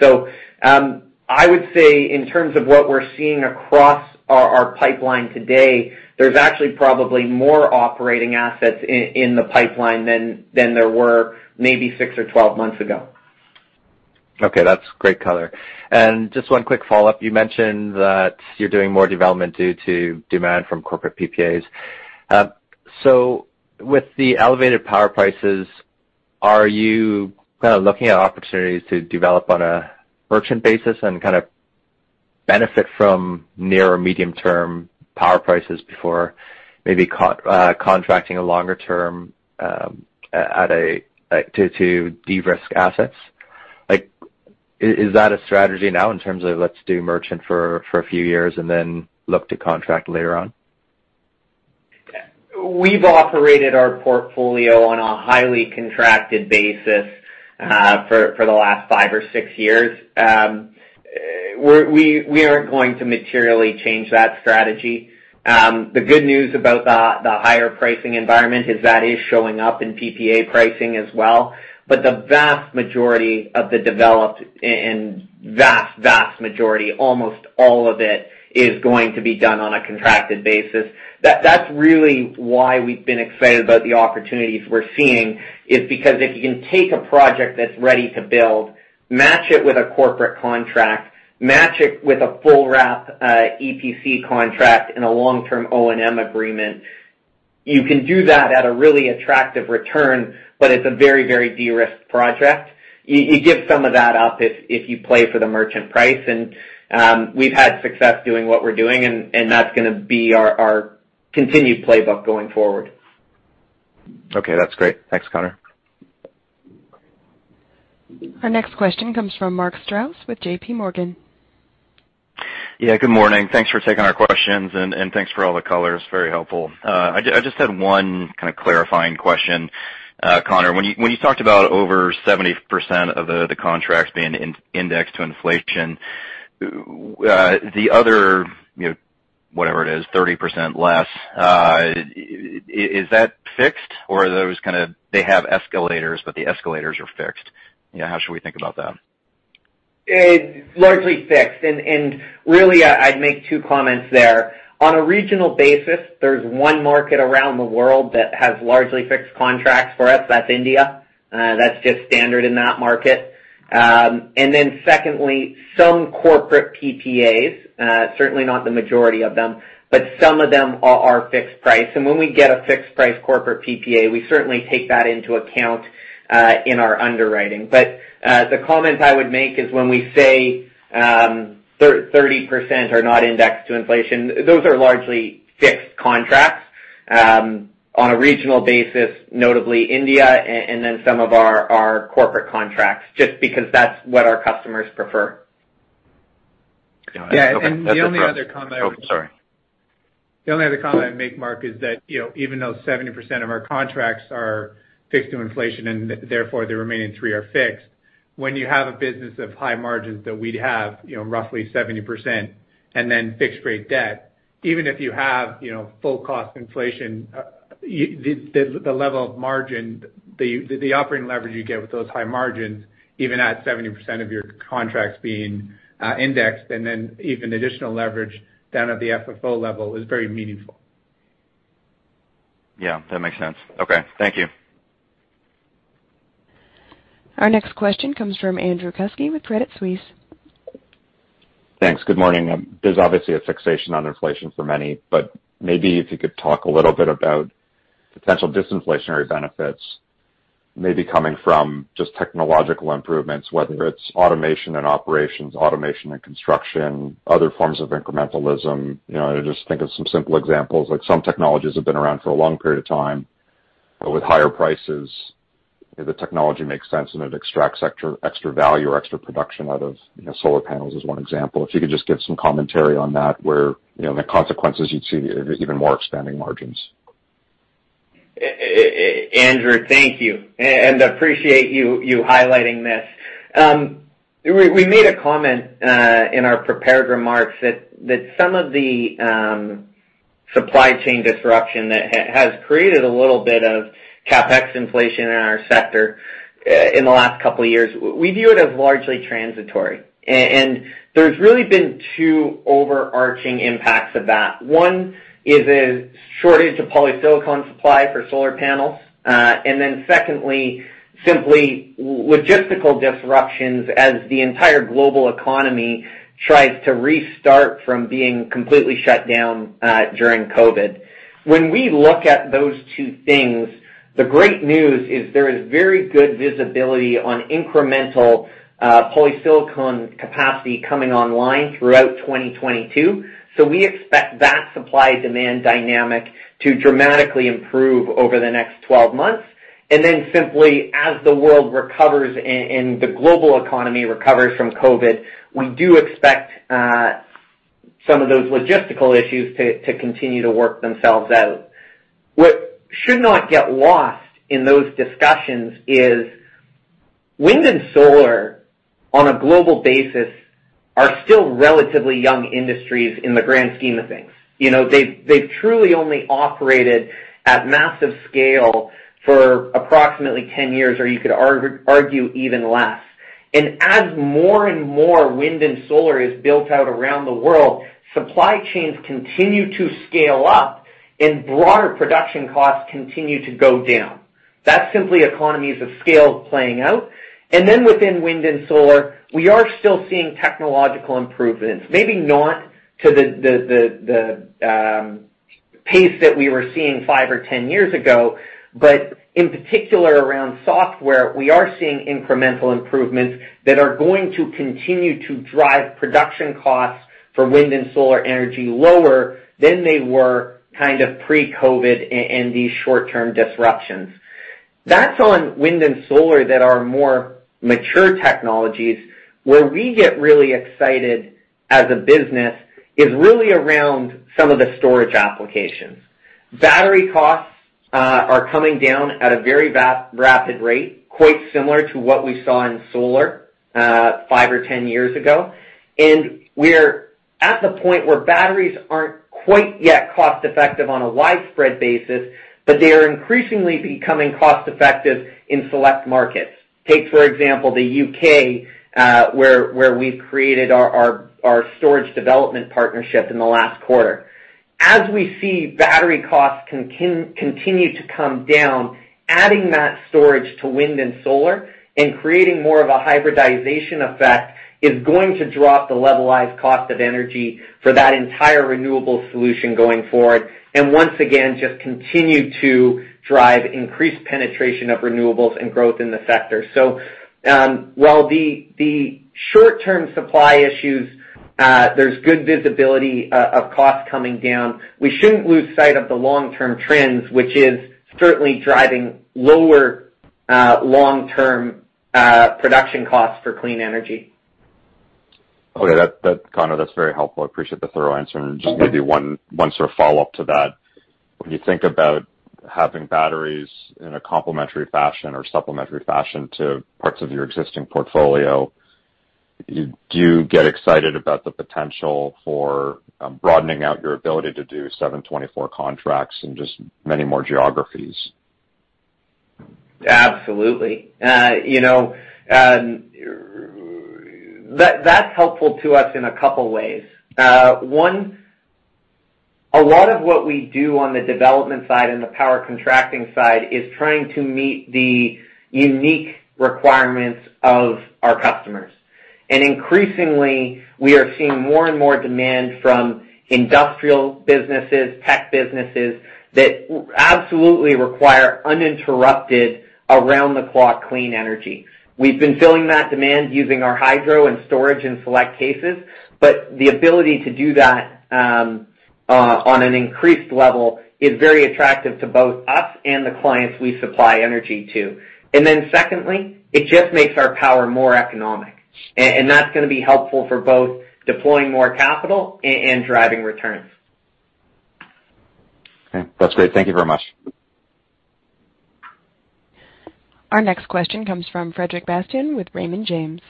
I would say in terms of what we're seeing across our pipeline today, there's actually probably more operating assets in the pipeline than there were maybe six or 12 months ago. Okay, that's great color. Just one quick follow-up. You mentioned that you're doing more development due to demand from corporate PPAs. So with the elevated power prices, are you kind of looking at opportunities to develop on a merchant basis and kind of benefit from near or medium-term power prices before maybe contracting a longer term to de-risk assets? Like, is that a strategy now in terms of let's do merchant for a few years and then look to contract later on? We've operated our portfolio on a highly contracted basis for the last five or six years. We aren't going to materially change that strategy. The good news about the higher pricing environment is that it is showing up in PPA pricing as well. The vast majority of the developed and vast majority, almost all of it, is going to be done on a contracted basis. That's really why we've been excited about the opportunities we're seeing, is because if you can take a project that's ready to build, match it with a corporate contract, match it with a full wrap EPC contract and a long-term O&M agreement, you can do that at a really attractive return, but it's a very, very de-risked project. You give some of that up if you play for the merchant price and we've had success doing what we're doing, and that's gonna be our continued playbook going forward. Okay. That's great. Thanks, Connor. Our next question comes from Mark Strouse with JPMorgan. Yeah, good morning. Thanks for taking our questions and thanks for all the colors. Very helpful. I just had one kind of clarifying question. Connor, when you talked about over 70% of the contracts being inflation-indexed to inflation, the other, you know, whatever it is, 30% or less, is that fixed or are those kind of they have escalators, but the escalators are fixed? You know, how should we think about that? It's largely fixed. Really, I'd make two comments there. On a regional basis, there's one market around the world that has largely fixed contracts for us. That's India. That's just standard in that market. Secondly, some corporate PPAs, certainly not the majority of them, but some of them are fixed price. When we get a fixed price corporate PPA, we certainly take that into account in our underwriting. The comment I would make is when we say 30% are not indexed to inflation, those are largely fixed contracts on a regional basis, notably India and then some of our corporate contracts, just because that's what our customers prefer. Got it. Yeah. The only other comment I would Oh, sorry. The only other comment I'd make, Mark, is that, you know, even though 70% of our contracts are fixed to inflation and therefore the remaining 30% are fixed, when you have a business of high margins that we'd have, you know, roughly 70% and then fixed rate debt, even if you have, you know, full cost inflation, the level of margin, the operating leverage you get with those high margins, even at 70% of your contracts being indexed and then even additional leverage down at the FFO level is very meaningful. Yeah, that makes sense. Okay. Thank you. Our next question comes from Andrew Kusky with Credit Suisse. Thanks. Good morning. There's obviously a fixation on inflation for many, but maybe if you could talk a little bit about potential disinflationary benefits maybe coming from just technological improvements, whether it's automation and operations, automation and construction, other forms of incrementalism. You know, I just think of some simple examples, like some technologies have been around for a long period of time, but with higher prices, if the technology makes sense and it extracts extra value or extra production out of, you know, solar panels is one example. If you could just give some commentary on that where, you know, the consequences you'd see even more expanding margins. Andrew, thank you and appreciate you highlighting this. We made a comment in our prepared remarks that some of the supply chain disruption that has created a little bit of CapEx inflation in our sector in the last couple of years, we view it as largely transitory. There's really been two overarching impacts of that. One is a shortage of polysilicon supply for solar panels. And then secondly, simply logistical disruptions as the entire global economy tries to restart from being completely shut down during COVID. When we look at those two things, the great news is there is very good visibility on incremental polysilicon capacity coming online throughout 2022. We expect that supply-demand dynamic to dramatically improve over the next 12 months. Then simply, as the world recovers and the global economy recovers from COVID, we do expect some of those logistical issues to continue to work themselves out. What should not get lost in those discussions is wind and solar on a global basis are still relatively young industries in the grand scheme of things. You know, they've truly only operated at massive scale for approximately 10 years, or you could argue even less. As more and more wind and solar is built out around the world, supply chains continue to scale up and broader production costs continue to go down. That's simply economies of scale playing out. Within wind and solar, we are still seeing technological improvements, maybe not to the pace that we were seeing five or ten years ago, but in particular around software, we are seeing incremental improvements that are going to continue to drive production costs for wind and solar energy lower than they were kind of pre-COVID and these short-term disruptions. That's on wind and solar that are more mature technologies. Where we get really excited as a business is really around some of the storage applications. Battery costs are coming down at a very rapid rate, quite similar to what we saw in solar five or ten years ago. We're at the point where batteries aren't quite yet cost-effective on a widespread basis, but they are increasingly becoming cost-effective in select markets. Take, for example, the UK, where we've created our storage development partnership in the last quarter. As we see battery costs continue to come down, adding that storage to wind and solar and creating more of a hybridization effect is going to drop the levelized cost of energy for that entire renewable solution going forward, and once again, just continue to drive increased penetration of renewables and growth in the sector. While the short-term supply issues, there's good visibility of costs coming down. We shouldn't lose sight of the long-term trends, which is certainly driving lower long-term production costs for clean energy. Okay. That Connor, that's very helpful. I appreciate the thorough answer. Just maybe one sort of follow-up to that. When you think about having batteries in a complementary fashion or supplementary fashion to parts of your existing portfolio, do you get excited about the potential for broadening out your ability to do 24/7 contracts in just many more geographies? Absolutely. You know, that's helpful to us in a couple ways. One, a lot of what we do on the development side and the power contracting side is trying to meet the unique requirements of our customers. Increasingly, we are seeing more and more demand from industrial businesses, tech businesses that absolutely require uninterrupted around-the-clock clean energy. We've been filling that demand using our hydro and storage in select cases, but the ability to do that on an increased level is very attractive to both us and the clients we supply energy to. Secondly, it just makes our power more economic. That's gonna be helpful for both deploying more capital and driving returns. Okay. That's great. Thank you very much. Our next question comes from Frederic Bastian with Raymond James.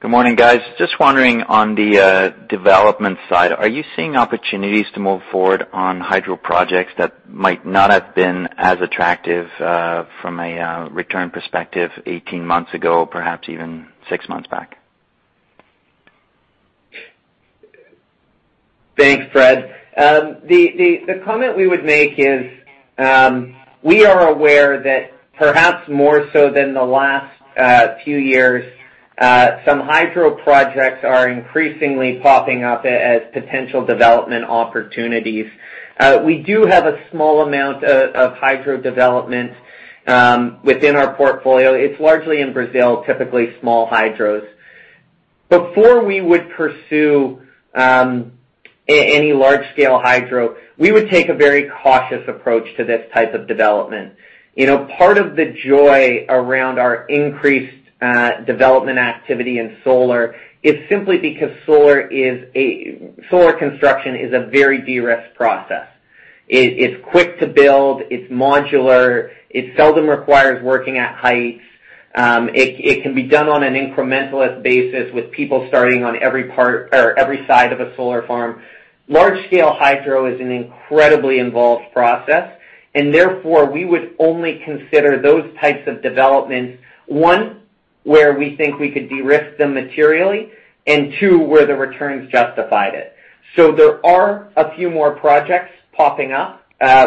Good morning, guys. Just wondering on the development side, are you seeing opportunities to move forward on hydro projects that might not have been as attractive from a return perspective eighteen months ago, perhaps even six months back? Thanks, Fred. The comment we would make is, we are aware that perhaps more so than the last few years, some hydro projects are increasingly popping up as potential development opportunities. We do have a small amount of hydro development within our portfolio. It's largely in Brazil, typically small hydros. Before we would pursue any large scale hydro, we would take a very cautious approach to this type of development. You know, part of the joy around our increased development activity in solar is simply because solar construction is a very de-risk process. It's quick to build, it's modular, it seldom requires working at heights. It can be done on an incrementalist basis with people starting on every part or every side of a solar farm. Large scale hydro is an incredibly involved process, and therefore, we would only consider those types of developments, one, where we think we could de-risk them materially, and two, where the returns justified it. There are a few more projects popping up.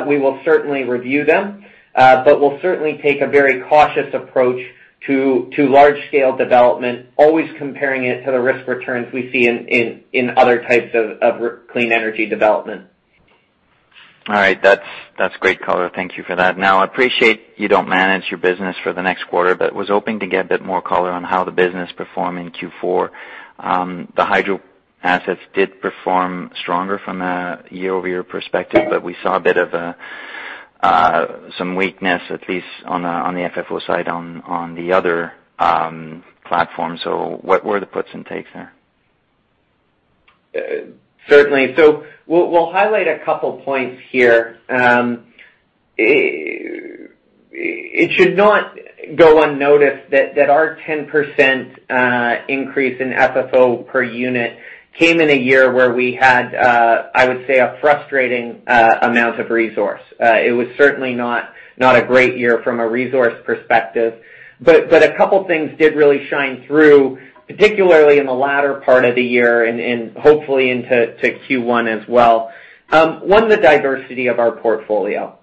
We will certainly review them, but we'll certainly take a very cautious approach to large scale development, always comparing it to the risk returns we see in other types of clean energy development. All right. That's great color. Thank you for that. Now, I appreciate you don't manage your business for the next quarter, but was hoping to get a bit more color on how the business performed in Q4. The hydro assets did perform stronger from a year-over-year perspective, but we saw a bit of some weakness, at least on the FFO side on the other platforms. What were the puts and takes there? We'll highlight a couple points here. It should not go unnoticed that our 10% increase in FFO per unit came in a year where we had I would say a frustrating amount of resource. It was certainly not a great year from a resource perspective. A couple things did really shine through, particularly in the latter part of the year and hopefully into Q1 as well. One, the diversity of our portfolio.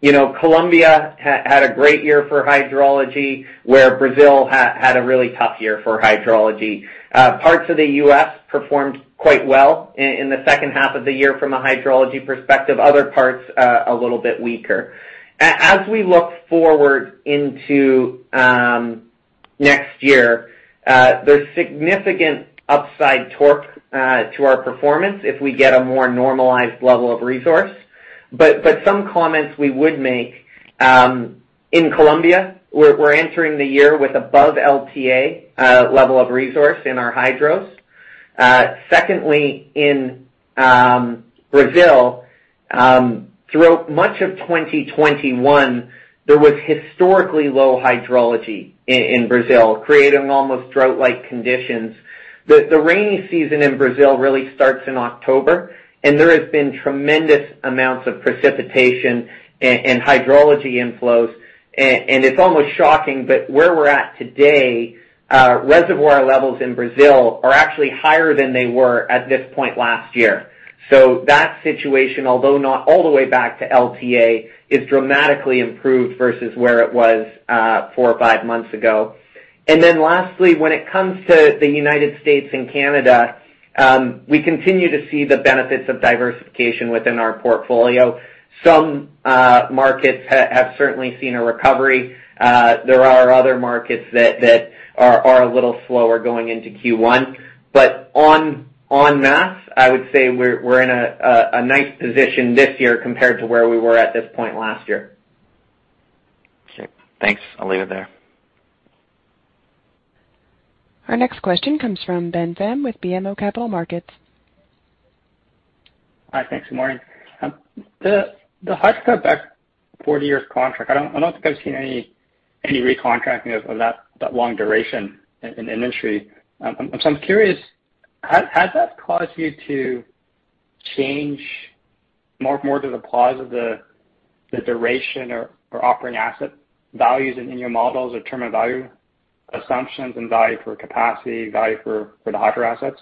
You know, Colombia had a great year for hydrology, where Brazil had a really tough year for hydrology. Parts of the US performed quite well in the second half of the year from a hydrology perspective, other parts a little bit weaker. As we look forward into next year, there's significant upside torque to our performance if we get a more normalized level of resource. Some comments we would make in Colombia, we're entering the year with above LTA level of resource in our hydros. Secondly, in Brazil, throughout much of 2021 there was historically low hydrology in Brazil, creating almost drought-like conditions. The rainy season in Brazil really starts in October, and there has been tremendous amounts of precipitation and hydrology inflows. It's almost shocking, but where we're at today, reservoir levels in Brazil are actually higher than they were at this point last year. That situation, although not all the way back to LTA, is dramatically improved versus where it was four or five months ago. Lastly, when it comes to the United States and Canada, we continue to see the benefits of diversification within our portfolio. Some markets have certainly seen a recovery. There are other markets that are a little slower going into Q1. On en masse, I would say we're in a nice position this year compared to where we were at this point last year. Okay. Thanks. I'll leave it there. Our next question comes from Ben Pham with BMO Capital Markets. Hi. Thanks. Good morning. The Hydro-Québec 40 year contract, I don't think I've seen any recontracting of that long duration in the industry. So I'm curious, has that caused you to change more to the plus of the duration or offering asset values in your models or terminal value assumptions and value for capacity, value for the hydro assets?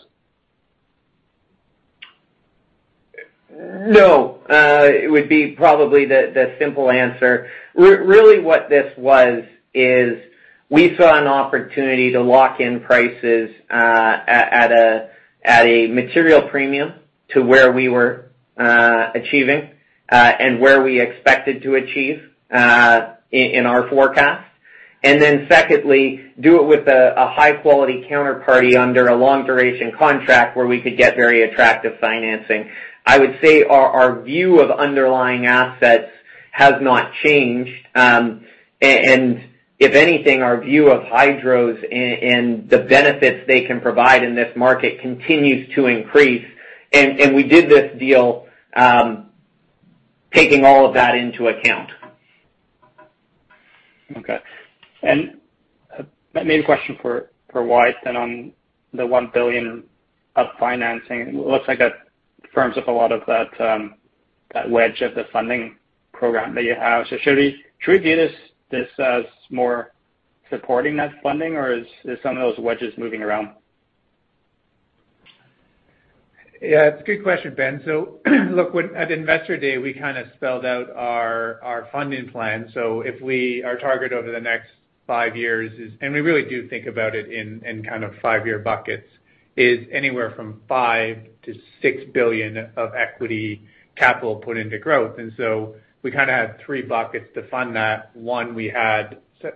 No, it would be probably the simple answer. Really what this was is we saw an opportunity to lock in prices at a material premium to where we were achieving and where we expected to achieve in our forecast. Secondly, do it with a high-quality counterparty under a long duration contract where we could get very attractive financing. I would say our view of underlying assets has not changed. If anything, our view of hydros and the benefits they can provide in this market continues to increase. We did this deal taking all of that into account. Okay. Maybe a question for Wyatt then on the $1 billion of financing. It looks like that firms up a lot of that that wedge of the funding program that you have. Should we view this as more supporting that funding or is some of those wedges moving around? Yeah, it's a good question, Ben. Look, when at Investor Day, we kind of spelled out our funding plan. Our target over the next five years is, and we really do think about it in kind of five year buckets, is anywhere from $5 billion to $6 billion of equity capital put into growth. We kind of have three buckets to fund that. One, we have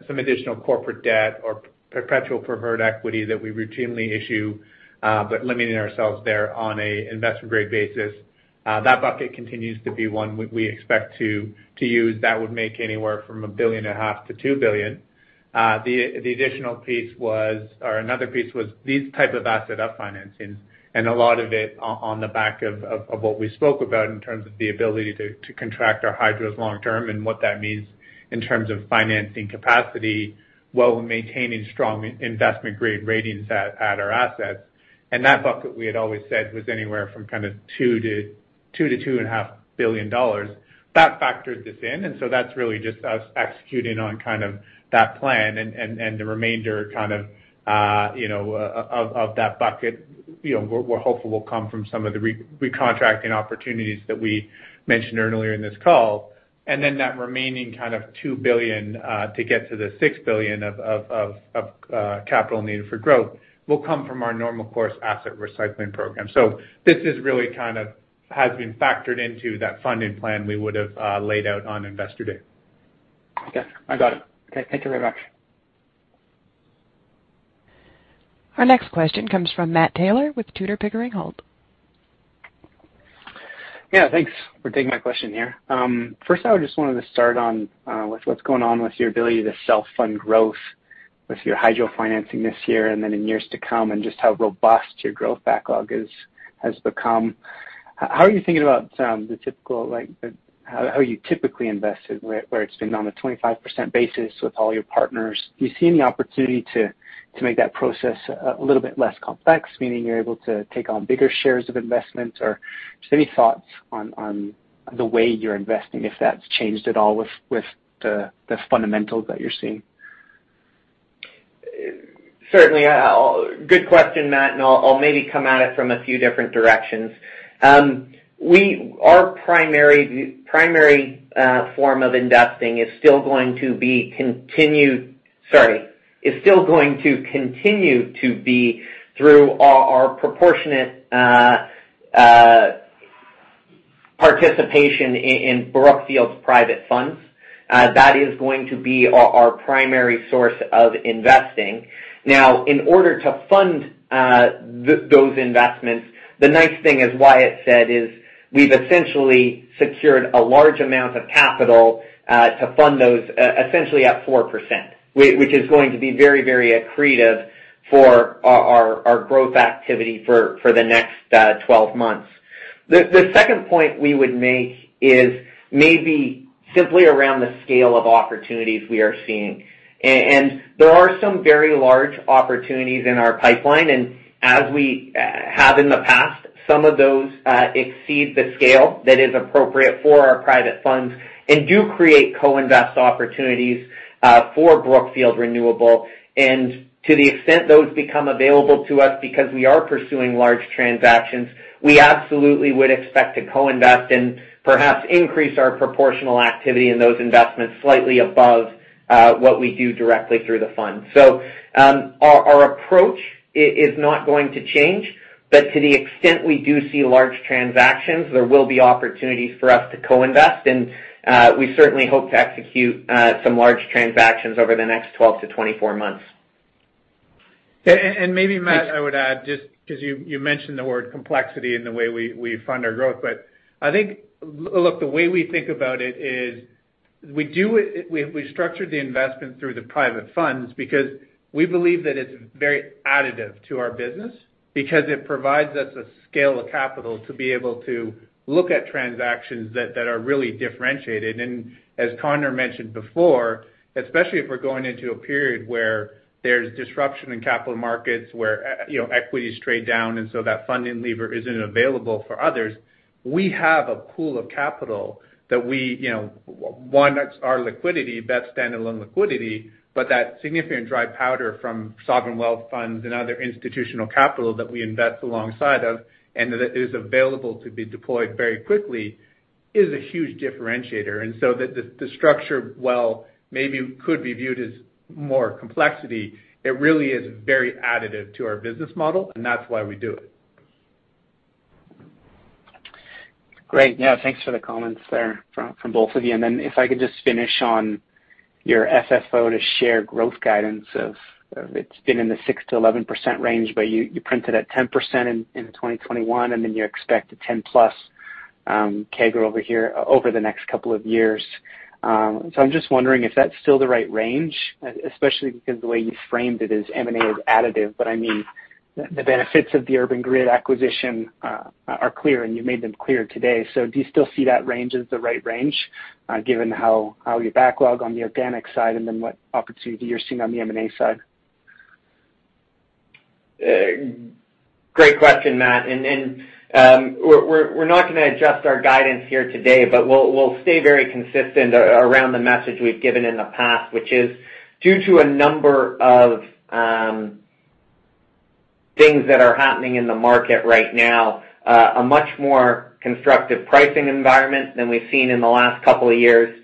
some additional corporate debt or perpetual preferred equity that we routinely issue, but limiting ourselves there on an investment-grade basis. That bucket continues to be one we expect to use. That would make anywhere from $1.5 billion to $2 billion. The additional piece was, or another piece was these type of asset up financing, and a lot of it on the back of what we spoke about in terms of the ability to contract our hydros long term and what that means in terms of financing capacity, while maintaining strong investment grade ratings at our assets. That bucket we had always said was anywhere from kind of $2 billion to $2.5 billion. That factored this in, so that's really just us executing on kind of that plan and the remainder kind of, you know, of that bucket, you know, we're hopeful will come from some of the recontracting opportunities that we mentioned earlier in this call. That remaining kind of $2 billion to get to the $6 billion of capital needed for growth will come from our normal course asset recycling program. This is really kind of has been factored into that funding plan we would've laid out on Investor Day. Okay. I got it. Okay, thank you very much. Our next question comes from Matt Taylor with Tudor, Pickering, Holt & Co. Yeah, thanks for taking my question here. First I just wanted to start on with what's going on with your ability to self-fund growth with your hydro financing this year and then in years to come and just how robust your growth backlog is, has become. How are you thinking about the typical, how you typically invested, where it's been on a 25% basis with all your partners? Do you see any opportunity to make that process a little bit less complex, meaning you're able to take on bigger shares of investments? Or just any thoughts on the way you're investing, if that's changed at all with the fundamentals that you're seeing? Certainly. Good question, Matt, and I'll maybe come at it from a few different directions. Our primary form of investing is still going to continue to be through our proportionate participation in Brookfield's private funds. That is going to be our primary source of investing. Now, in order to fund those investments, the nice thing, as Wyatt said, is we've essentially secured a large amount of capital to fund those essentially at 4%, which is going to be very accretive for our growth activity for the next 12 months. The second point we would make is maybe simply around the scale of opportunities we are seeing. There are some very large opportunities in our pipeline, and as we have in the past, some of those exceed the scale that is appropriate for our private funds and do create co-invest opportunities for Brookfield Renewable. To the extent those become available to us because we are pursuing large transactions, we absolutely would expect to co-invest and perhaps increase our proportional activity in those investments slightly above what we do directly through the fund. Our approach is not going to change, but to the extent we do see large transactions, there will be opportunities for us to co-invest, and we certainly hope to execute some large transactions over the next 12 to 24 months. Maybe, Matt, I would add, just 'cause you mentioned the word complexity in the way we fund our growth. But I think, look, the way we think about it is we structured the investment through the private funds because we believe that it's very additive to our business because it provides us a scale of capital to be able to look at transactions that are really differentiated. As Connor mentioned before, especially if we're going into a period where there's disruption in capital markets, where you know, equities trade down, and so that funding lever isn't available for others, we have a pool of capital that we, you know, one, that's our liquidity, that standalone liquidity, but that significant dry powder from sovereign wealth funds and other institutional capital that we invest alongside of and that is available to be deployed very quickly is a huge differentiator. The structure, while maybe could be viewed as more complexity, it really is very additive to our business model, and that's why we do it. Great. Yeah, thanks for the comments there from both of you. If I could just finish on your FFO per share growth guidance of it's been in the 6% to 11% range, but you printed at 10% in 2021, and then you expect a 10+ CAGR over the next couple of years. I'm just wondering if that's still the right range, especially because the way you framed it is M&A is additive. I mean, the benefits of the Urban Grid acquisition are clear, and you made them clear today. Do you still see that range as the right range, given how your backlog on the organic side and then what opportunity you're seeing on the M&A side? Great question, Matt. We're not gonna adjust our guidance here today, but we'll stay very consistent around the message we've given in the past, which is due to a number of things that are happening in the market right now, a much more constructive pricing environment than we've seen in the last couple of years,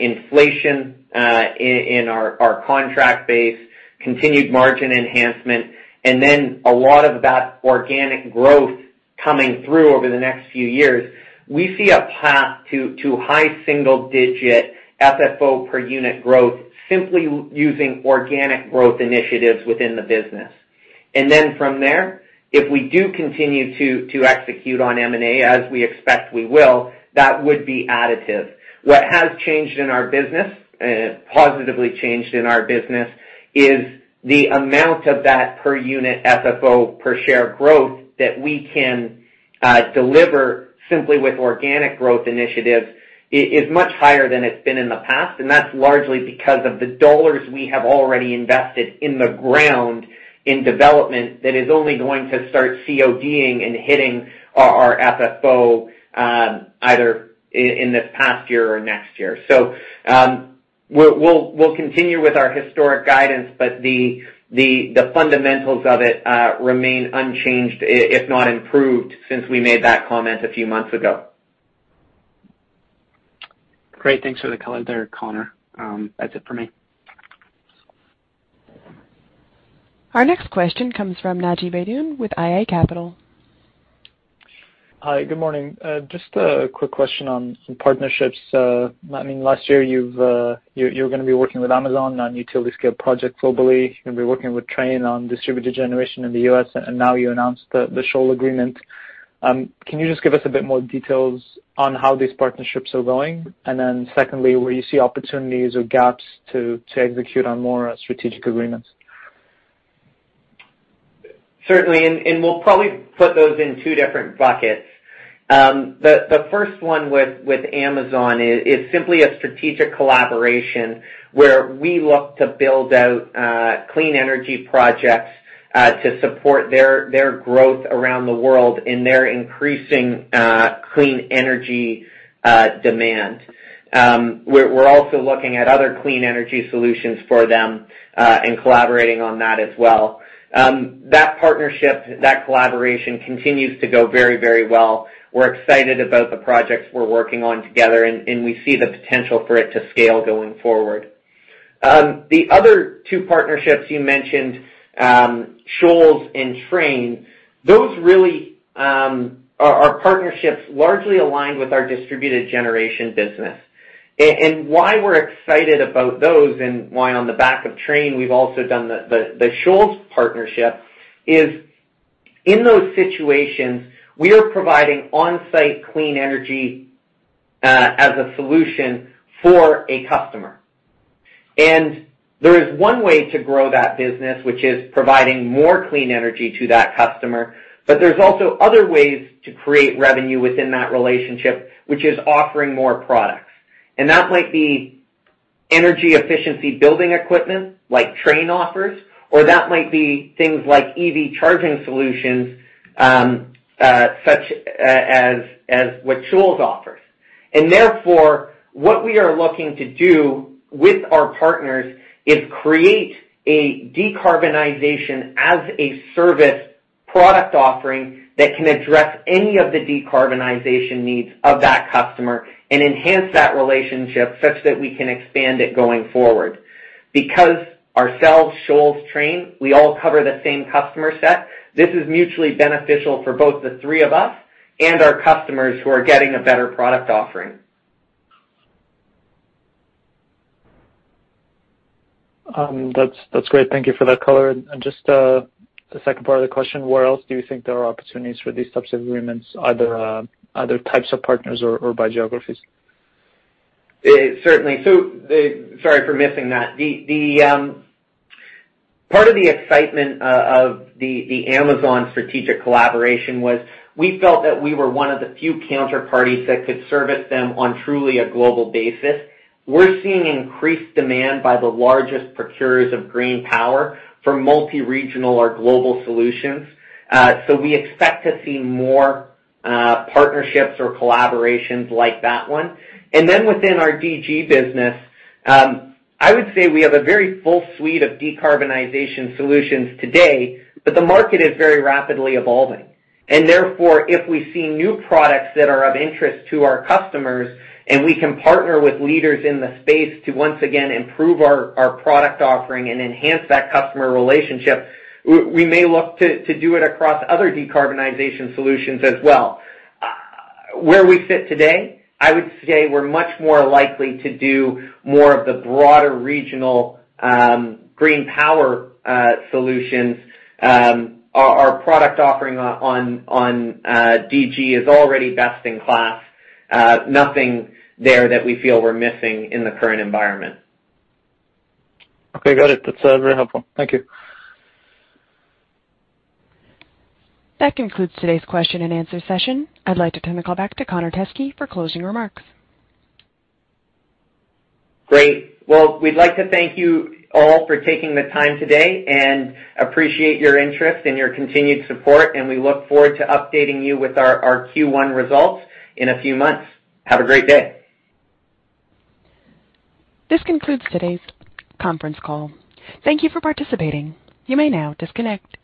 inflation in our contract base, continued margin enhancement, and then a lot of that organic growth coming through over the next few years. We see a path to high single digit FFO per unit growth simply using organic growth initiatives within the business. From there, if we do continue to execute on M&A as we expect we will, that would be additive. What has positively changed in our business is the amount of that per unit FFO per share growth that we can deliver simply with organic growth initiatives is much higher than it's been in the past, and that's largely because of the dollars we have already invested in the ground in development that is only going to start CODing and hitting our FFO either in this past year or next year. We'll continue with our historic guidance, but the fundamentals of it remain unchanged, if not improved, since we made that comment a few months ago. Great. Thanks for the color there, Connor. That's it for me. Our next question comes from Naji Ayad with IA Capital. Hi. Good morning. Just a quick question on some partnerships. I mean, last year you were gonna be working with Amazon on utility scale projects globally. You're gonna be working with Trane on distributed generation in the US, and now you announced the Shoals agreement. Can you just give us a bit more details on how these partnerships are going? Secondly, where you see opportunities or gaps to execute on more strategic agreements. Certainly. We'll probably put those in two different buckets. The first one with Amazon is simply a strategic collaboration where we look to build out clean energy projects to support their growth around the world in their increasing clean energy demand. We're also looking at other clean energy solutions for them and collaborating on that as well. That partnership, that collaboration continues to go very, very well. We're excited about the projects we're working on together, and we see the potential for it to scale going forward. The other two partnerships you mentioned, Shoals and Trane, those really are partnerships largely aligned with our distributed generation business. Why we're excited about those and why, on the back of Trane, we've also done the Shoals partnership. In those situations, we are providing on-site clean energy as a solution for a customer. There is one way to grow that business, which is providing more clean energy to that customer. There's also other ways to create revenue within that relationship, which is offering more products. That might be energy efficiency building equipment like Trane offers, or that might be things like EV charging solutions, such as what Shoals offers. Therefore, what we are looking to do with our partners is create a decarbonization-as-a-service product offering that can address any of the decarbonization needs of that customer and enhance that relationship such that we can expand it going forward. Because ourselves, Shoals, Trane, we all cover the same customer set, this is mutually beneficial for both the three of us and our customers who are getting a better product offering. That's great. Thank you for that color. Just the second part of the question, where else do you think there are opportunities for these types of agreements, either other types of partners or by geographies? Certainly. Sorry for missing that. The part of the excitement of the Amazon strategic collaboration was we felt that we were one of the few counterparties that could service them on truly a global basis. We're seeing increased demand by the largest procurers of green power for multi-regional or global solutions. We expect to see more partnerships or collaborations like that one. Within our DG business, I would say we have a very full suite of decarbonization solutions today, but the market is very rapidly evolving. If we see new products that are of interest to our customers, and we can partner with leaders in the space to once again improve our product offering and enhance that customer relationship, we may look to do it across other decarbonization solutions as well. Where we fit today, I would say we're much more likely to do more of the broader regional, green power, solutions. Our product offering on DG is already best in class. Nothing there that we feel we're missing in the current environment. Okay, got it. That's very helpful. Thank you. That concludes today's question and answer session. I'd like to turn the call back to Connor Teskey for closing remarks. Great. Well, we'd like to thank you all for taking the time today and appreciate your interest and your continued support, and we look forward to updating you with our Q1 results in a few months. Have a great day. This concludes today's conference call. Thank you for participating. You may now disconnect.